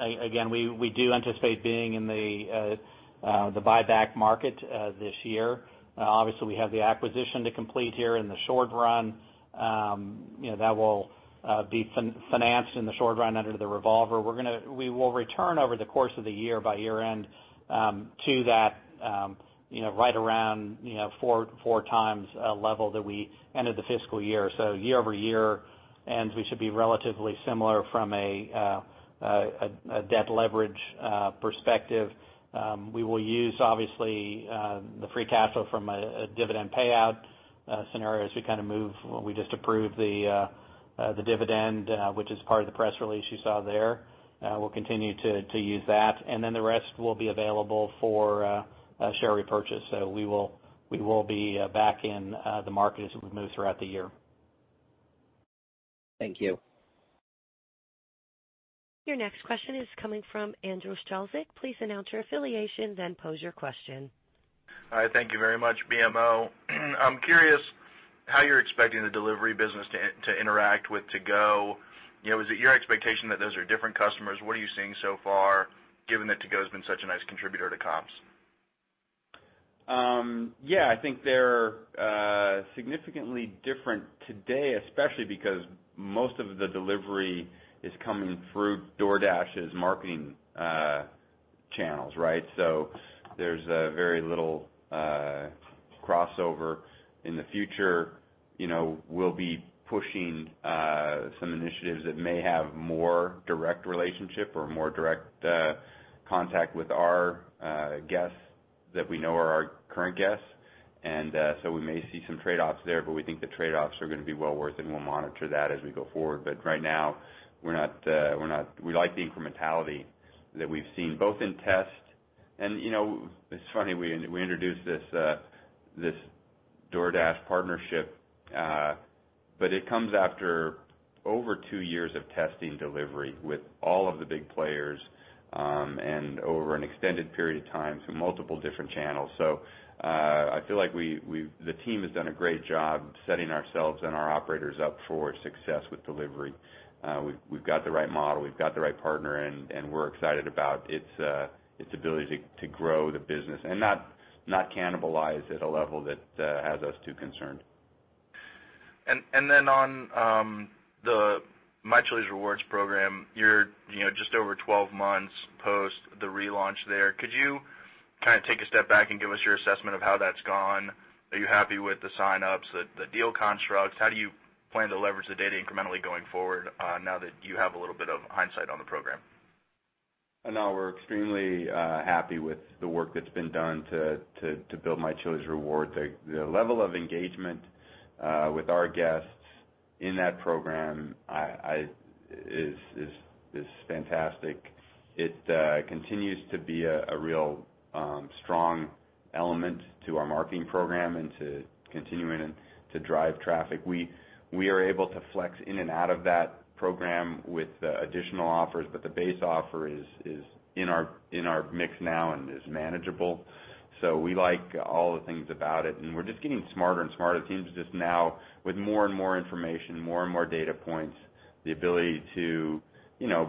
We do anticipate being in the buyback market this year. We have the acquisition to complete here in the short run. That will be financed in the short run under the revolver. We will return over the course of the year by year-end to that right around 4x level that we ended the fiscal year. Year over year ends, we should be relatively similar from a debt leverage perspective. We will use, obviously, the free cash flow from a dividend payout scenario as we move. We just approved the dividend, which is part of the press release you saw there. We'll continue to use that. The rest will be available for share repurchase. We will be back in the market as we move throughout the year. Thank you. Your next question is coming from Andrew Strelzik. Please announce your affiliation, then pose your question. Hi, thank you very much. BMO. I'm curious how you're expecting the delivery business to interact with To Go. Is it your expectation that those are different customers? What are you seeing so far, given that To Go has been such a nice contributor to comps? Yeah, I think they're significantly different today, especially because most of the delivery is coming through DoorDash's marketing channels, right? There's very little crossover. In the future, we'll be pushing some initiatives that may have more direct relationship or more direct contact with our guests that we know are our current guests. We may see some trade-offs there, but we think the trade-offs are going to be well worth it, and we'll monitor that as we go forward. Right now we like the incrementality that we've seen both in test and, it's funny, we introduced this DoorDash partnership, but it comes after over two years of testing delivery with all of the big players, and over an extended period of time through multiple different channels. I feel like the team has done a great job setting ourselves and our operators up for success with delivery. We've got the right model, we've got the right partner, and we're excited about its ability to grow the business and not cannibalize at a level that has us too concerned. On the My Chili's Rewards program, you're just over 12 months post the relaunch there. Could you take a step back and give us your assessment of how that's gone? Are you happy with the sign-ups, the deal constructs? How do you plan to leverage the data incrementally going forward now that you have a little bit of hindsight on the program? We're extremely happy with the work that's been done to build My Chili's Rewards. The level of engagement with our guests in that program is fantastic. It continues to be a real strong element to our marketing program and continuing to drive traffic. We are able to flex in and out of that program with additional offers, but the base offer is in our mix now and is manageable. We like all the things about it, and we're just getting smarter and smarter. The team's just now with more and more information, more and more data points, the ability to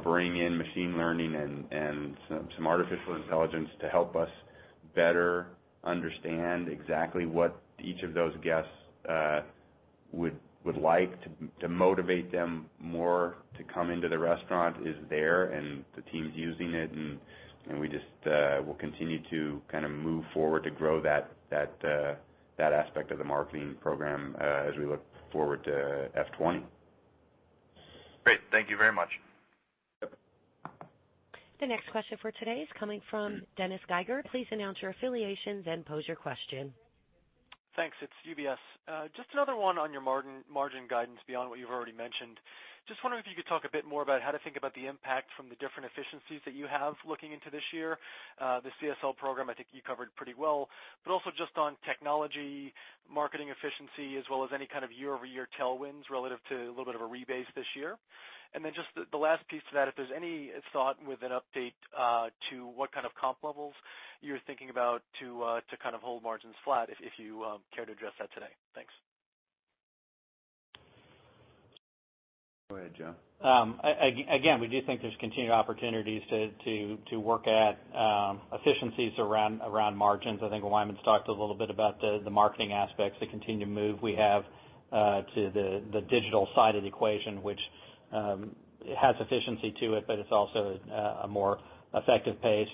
bring in machine learning and some artificial intelligence to help us better understand exactly what each of those guests would like to motivate them more to come into the restaurant is there, and the team's using it, and we just will continue to move forward to grow that aspect of the marketing program as we look forward to FY 2020. Great. Thank you very much. Yep. The next question for today is coming from Dennis Geiger. Please announce your affiliation, then pose your question. Thanks. It's UBS. Just another one on your margin guidance beyond what you've already mentioned. Just wondering if you could talk a bit more about how to think about the impact from the different efficiencies that you have looking into this year. The CSL program, I think you covered pretty well, but also just on technology, marketing efficiency, as well as any kind of year-over-year tailwinds relative to a little bit of a rebase this year. The last piece to that, if there's any thought with an update to what kind of comp levels you're thinking about to kind of hold margins flat, if you care to address that today. Thanks. Go ahead, Joe. Again, we do think there's continued opportunities to work at efficiencies around margins. I think Wyman's talked a little bit about the marketing aspects that continue to move. We have to the digital side of the equation, which has efficiency to it, but it's also a more effective pace.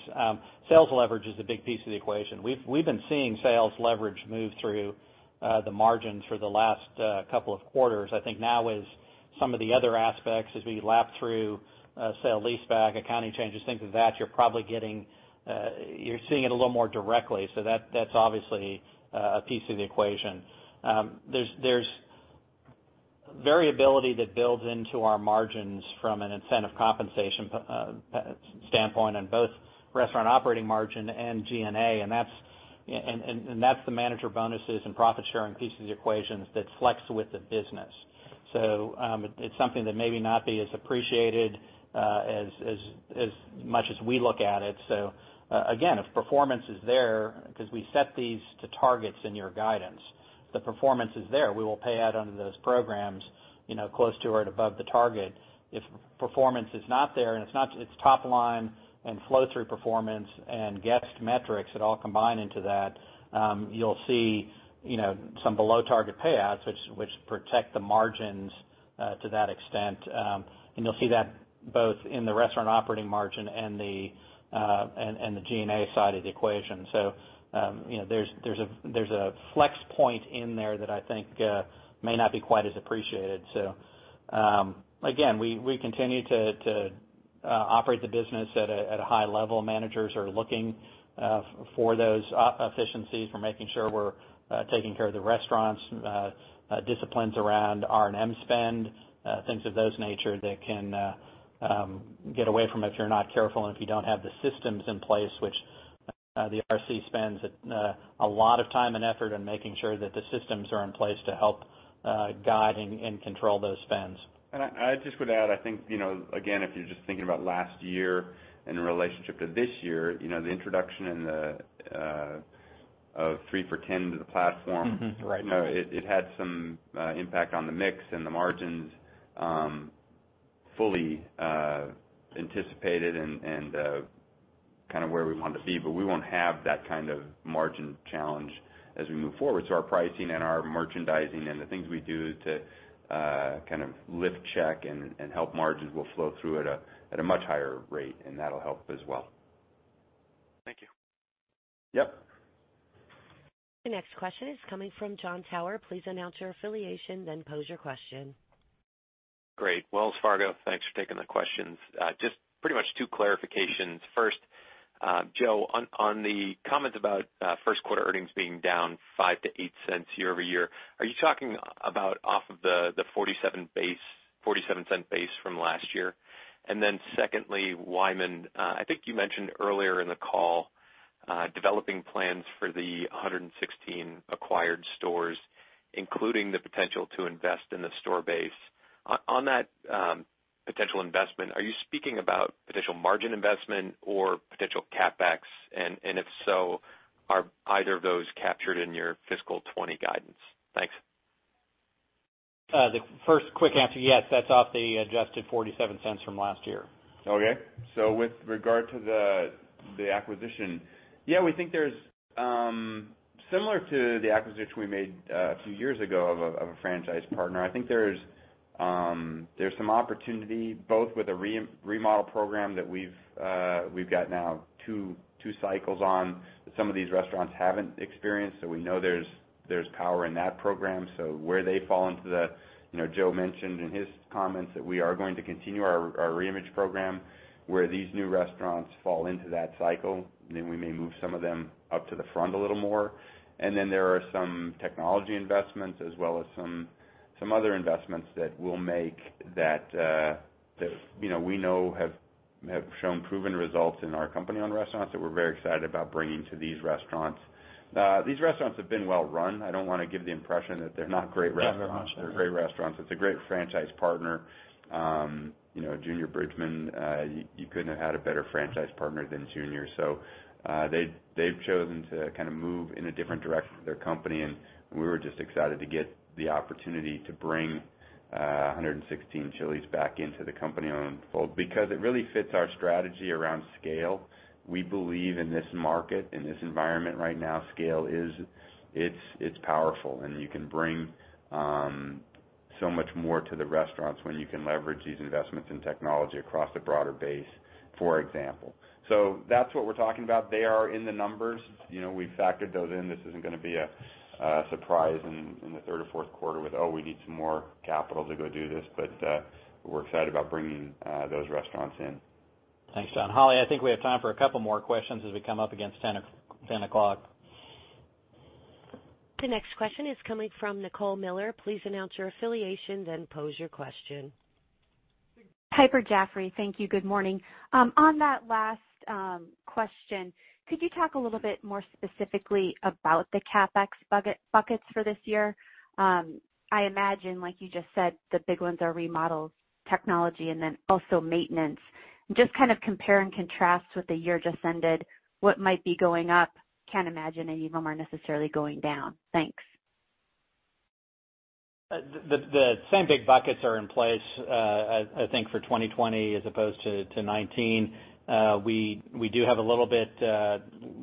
Sales leverage is a big piece of the equation. We've been seeing sales leverage move through the margins for the last couple of quarters. I think now as some of the other aspects, as we lap through sale-leaseback, accounting changes, things like that, you're probably seeing it a little more directly. That's obviously a piece of the equation. There's variability that builds into our margins from an incentive compensation standpoint on both restaurant operating margin and G&A, and that's the manager bonuses and profit-sharing piece of the equations that flex with the business. It's something that maybe not be as appreciated as much as we look at it. Again, if performance is there, because we set these to targets in your guidance, the performance is there. We will pay out under those programs close to or above the target. If performance is not there, and it's top line and flow through performance and guest metrics that all combine into that, you'll see some below target payouts which protect the margins to that extent. You'll see that both in the restaurant operating margin and the G&A side of the equation. There's a flex point in there that I think may not be quite as appreciated. Again, we continue to operate the business at a high level. Managers are looking for those efficiencies. We're making sure we're taking care of the restaurants, disciplines around R&M spend, things of that nature that can get away from if you're not careful and if you don't have the systems in place, which the [RC] spends a lot of time and effort on making sure that the systems are in place to help guide and control those spends. I just would add, I think, again, if you're just thinking about last year in relationship to this year, the introduction of 3 for $10 to the platform. Mm-hmm. Right. It had some impact on the mix and the margins fully anticipated and kind of where we want to be. We won't have that kind of margin challenge as we move forward. Our pricing and our merchandising and the things we do to kind of lift check and help margins will flow through at a much higher rate, and that'll help as well. Thank you. Yep. The next question is coming from Jon Tower. Please announce your affiliation, then pose your question. Great. Wells Fargo, thanks for taking the questions. Just pretty much two clarifications. First, Joe, on the comment about first quarter earnings being down $0.05-$0.08 year-over-year, are you talking about off of the $0.47 base from last year? Secondly, Wyman, I think you mentioned earlier in the call, developing plans for the 116 acquired stores, including the potential to invest in the store base. On that potential investment, are you speaking about potential margin investment or potential CapEx? If so, are either of those captured in your fiscal 2020 guidance? Thanks. The first quick answer, yes, that's off the adjusted $0.47 from last year. With regard to the acquisition, yeah, we think there's similar to the acquisition we made a few years ago of a franchise partner, I think there's some opportunity both with a Remodel Program that we've got now two cycles on, that some of these restaurants haven't experienced. We know there's power in that program. Where they fall into the Joe mentioned in his comments that we are going to continue our Reimage Program where these new restaurants fall into that cycle, we may move some of them up to the front a little more. There are some technology investments as well as some other investments that we'll make that we know have shown proven results in our company on restaurants that we're very excited about bringing to these restaurants. These restaurants have been well run. I don't want to give the impression that they're not great restaurants. No, not at all. They're great restaurants. It's a great franchise partner. Junior Bridgeman, you couldn't have had a better franchise partner than Junior. They've chosen to move in a different direction with their company, and we were just excited to get the opportunity to bring 116 Chili's back into the company-owned fold because it really fits our strategy around scale. We believe in this market, in this environment right now, scale is powerful, and you can bring so much more to the restaurants when you can leverage these investments in technology across a broader base, for example. That's what we're talking about. They are in the numbers. We've factored those in. This isn't going to be a surprise in the third or fourth quarter with, "Oh, we need some more capital to go do this." We're excited about bringing those restaurants in. Thanks, Jon. Holly, I think we have time for a couple more questions as we come up against 10:00. The next question is coming from Nicole Miller. Please announce your affiliation, then pose your question. Piper Jaffray. Thank you. Good morning. On that last question, could you talk a little bit more specifically about the CapEx buckets for this year? I imagine, like you just said, the big ones are remodels, technology, and then also maintenance. Just compare and contrast with the year just ended, what might be going up. Can't imagine any of them are necessarily going down. Thanks. The same big buckets are in place, I think for 2020 as opposed to 2019. We do have a little bit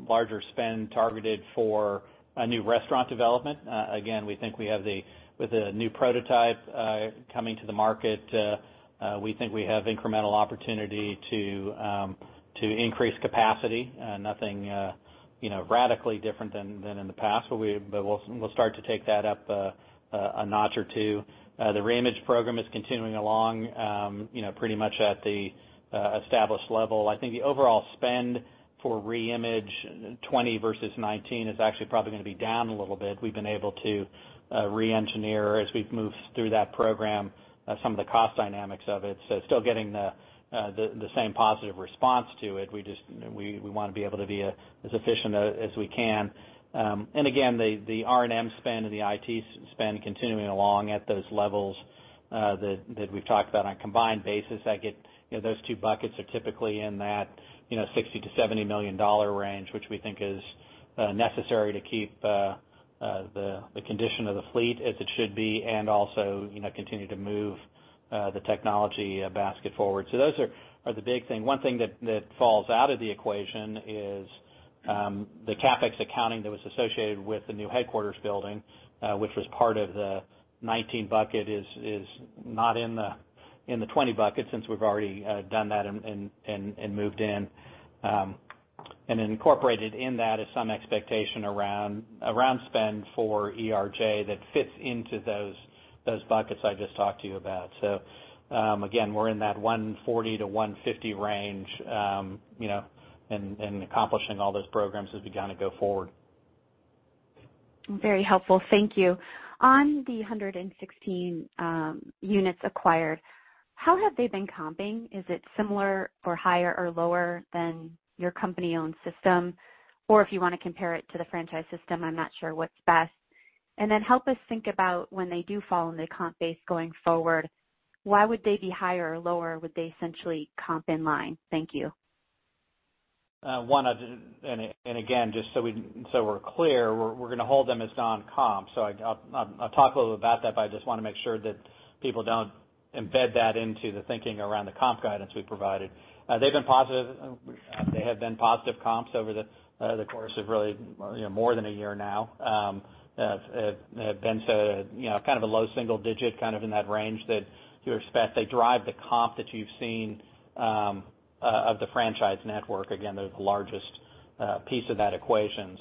larger spend targeted for a new restaurant development. Again, with the new prototype coming to the market, we think we have incremental opportunity to increase capacity. Nothing radically different than in the past. We'll start to take that up a notch or two. The reimage program is continuing along pretty much at the established level. I think the overall spend for reimage 2020 versus 2019 is actually probably going to be down a little bit. We've been able to re-engineer, as we've moved through that program, some of the cost dynamics of it. It's still getting the same positive response to it. We want to be able to be as efficient as we can. The R&M spend and the IT spend continuing along at those levels that we've talked about on a combined basis. Those two buckets are typically in that $60 million-$70 million range, which we think is necessary to keep the condition of the fleet as it should be, and also continue to move the technology basket forward. Those are the big thing. One thing that falls out of the equation is the CapEx accounting that was associated with the new headquarters building, which was part of the 2019 bucket, is not in the 2020 bucket, since we've already done that and moved in. Incorporated in that is some expectation around spend for ERJ that fits into those buckets I just talked to you about. We're in that $140 million-$150 million range, and accomplishing all those programs as we go forward. Very helpful. Thank you. On the 116 units acquired, how have they been comping? Is it similar or higher or lower than your company-owned system? If you want to compare it to the franchise system, I'm not sure what's best. Then help us think about when they do fall in the comp base going forward, why would they be higher or lower? Would they essentially comp in line? Thank you. Again, just so we're clear, we're going to hold them as non-comp. I'll talk a little about that, but I just want to make sure that people don't embed that into the thinking around the comp guidance we've provided. They've been positive. They have been positive comps over the course of really more than a year now. Have been to a low single digit, in that range that you expect. They drive the comp that you've seen of the franchise network. Again, they're the largest piece of that equation.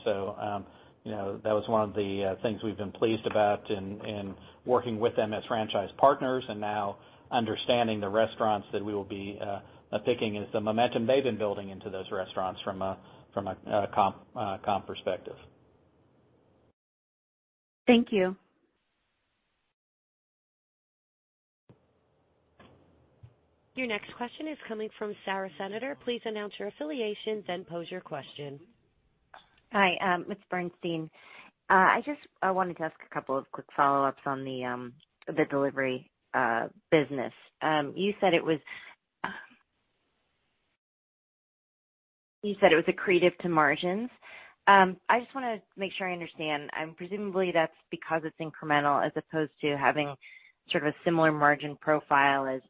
That was one of the things we've been pleased about in working with them as franchise partners and now understanding the restaurants that we will be picking is the momentum they've been building into those restaurants from a comp perspective. Thank you. Your next question is coming from Sara Senatore. Please announce your affiliation, then pose your question. Hi, Ms. Bernstein. I just wanted to ask a couple of quick follow-ups on the delivery business. You said it was accretive to margins. I just want to make sure I understand. Presumably, that's because it's incremental as opposed to having a similar margin profile as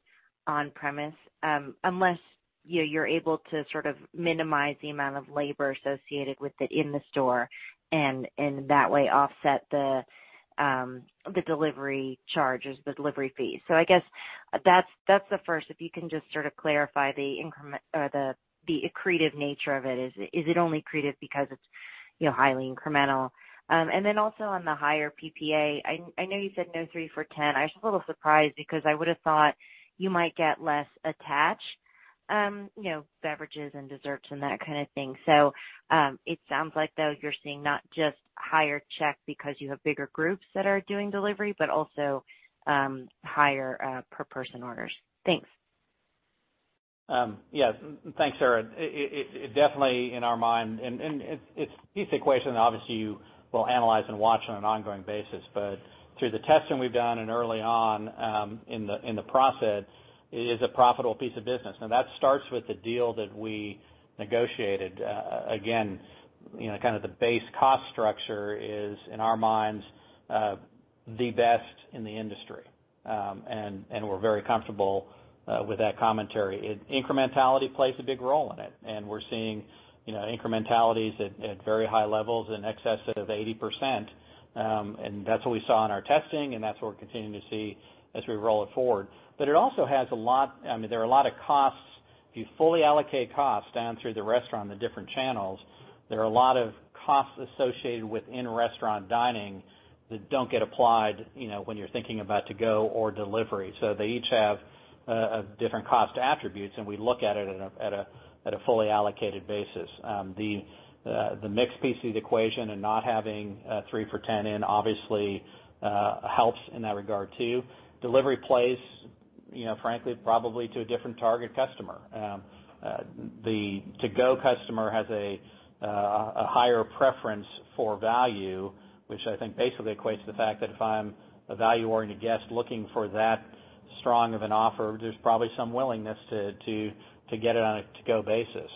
on-premise, unless you're able to minimize the amount of labor associated with it in the store, and in that way offset the delivery charges, the delivery fees. I guess that's the first, if you can just clarify the accretive nature of it. Is it only accretive because it's highly incremental? On the higher PPA, I know you said no 3 for $10. I was a little surprised because I would've thought you might get less attach, beverages and desserts and that kind of thing. It sounds like, though, you're seeing not just higher check because you have bigger groups that are doing delivery, but also higher per person orders. Thanks. Yes. Thanks, Sara. Definitely in our mind, it's a piece of the equation that obviously you will analyze and watch on an ongoing basis, through the testing we've done and early on in the process, it is a profitable piece of business. That starts with the deal that we negotiated. Kind of the base cost structure is, in our minds, the best in the industry. We're very comfortable with that commentary. Incrementality plays a big role in it, we're seeing incrementalities at very high levels in excess of 80%. That's what we saw in our testing, that's what we're continuing to see as we roll it forward. There are a lot of costs. If you fully allocate costs down through the restaurant and the different channels, there are a lot of costs associated with in-restaurant dining that don't get applied when you're thinking about to-go or delivery. They each have different cost attributes, and we look at it at a fully allocated basis. The mixed PC equation and not having 3 For Me in obviously helps in that regard too. Delivery plays, frankly, probably to a different target customer. The to-go customer has a higher preference for value, which I think basically equates to the fact that if I'm a value-oriented guest looking for that strong of an offer, there's probably some willingness to get it on a to-go basis.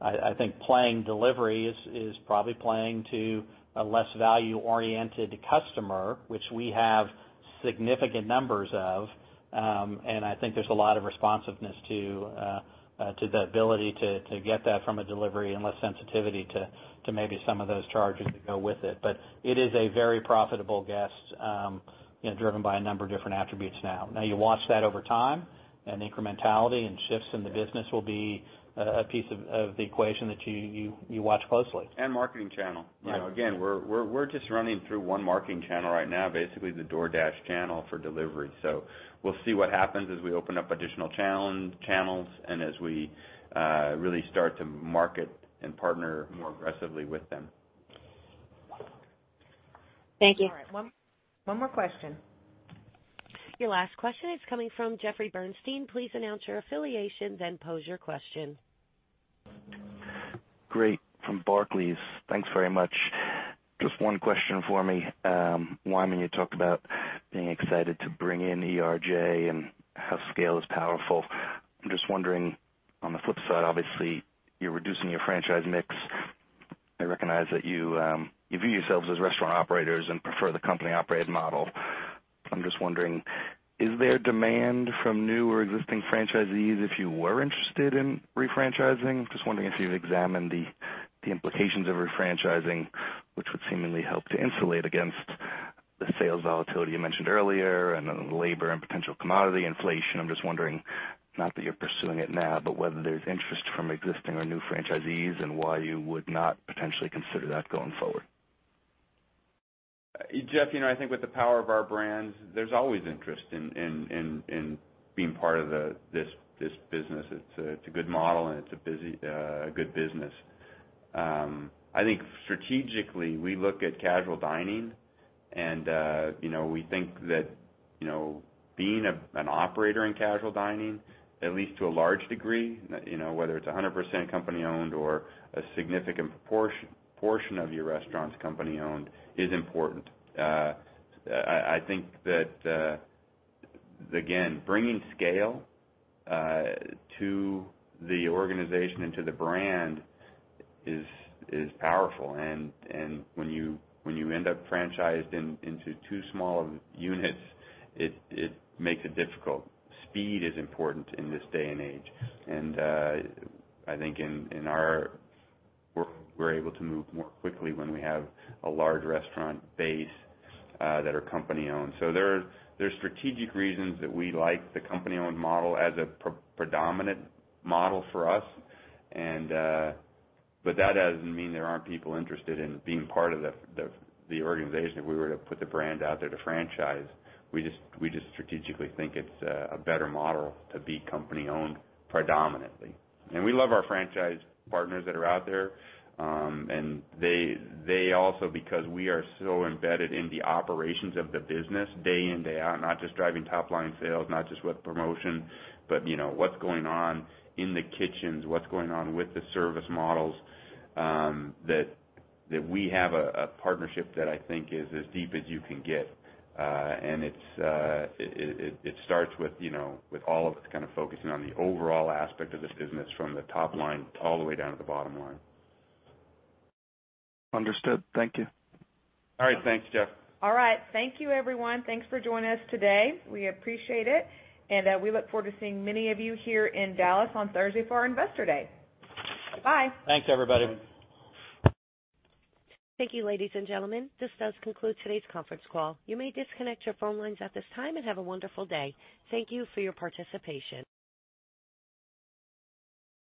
I think playing delivery is probably playing to a less value-oriented customer, which we have significant numbers of. I think there's a lot of responsiveness to the ability to get that from a delivery and less sensitivity to maybe some of those charges that go with it. It is a very profitable guest driven by a number of different attributes now. Now you watch that over time, and incrementality and shifts in the business will be a piece of the equation that you watch closely. Marketing channel. Right. We're just running through one marketing channel right now, basically the DoorDash channel for delivery. We'll see what happens as we open up additional channels and as we really start to market and partner more aggressively with them. Thank you. All right. One more question. Your last question is coming from Jeffrey Bernstein. Please announce your affiliation then pose your question. Great. From Barclays. Thanks very much. Just one question for me. Wyman, you talked about being excited to bring in ERJ and how scale is powerful. I'm just wondering, on the flip side, obviously, you're reducing your franchise mix. I recognize that you view yourselves as restaurant operators and prefer the company-operated model. I'm just wondering, is there demand from new or existing franchisees if you were interested in refranchising? Just wondering if you've examined the implications of refranchising, which would seemingly help to insulate against the sales volatility you mentioned earlier and the labor and potential commodity inflation. I'm just wondering, not that you're pursuing it now, but whether there's interest from existing or new franchisees and why you would not potentially consider that going forward. Jeff, I think with the power of our brands, there's always interest in being part of this business. It's a good model and it's a good business. I think strategically, we look at casual dining and we think that being an operator in casual dining, at least to a large degree, whether it's 100% company-owned or a significant portion of your restaurant's company-owned, is important. I think that, again, bringing scale to the organization and to the brand is powerful. When you end up franchised into too small of units, it makes it difficult. Speed is important in this day and age. I think in our work, we're able to move more quickly when we have a large restaurant base that are company-owned. There are strategic reasons that we like the company-owned model as a predominant model for us. That doesn't mean there aren't people interested in being part of the organization if we were to put the brand out there to franchise. We just strategically think it's a better model to be company-owned predominantly. We love our franchise partners that are out there. They also, because we are so embedded in the operations of the business day in, day out, not just driving top-line sales, not just with promotion, but what's going on in the kitchens, what's going on with the service models, that we have a partnership that I think is as deep as you can get. It starts with all of us kind of focusing on the overall aspect of this business from the top line all the way down to the bottom line. Understood. Thank you. All right. Thanks, Jeff. All right. Thank you, everyone. Thanks for joining us today. We appreciate it, and we look forward to seeing many of you here in Dallas on Thursday for our Investor Day. Bye. Thanks, everybody. Thank you, ladies and gentlemen. This does conclude today's conference call. You may disconnect your phone lines at this time, and have a wonderful day. Thank you for your participation.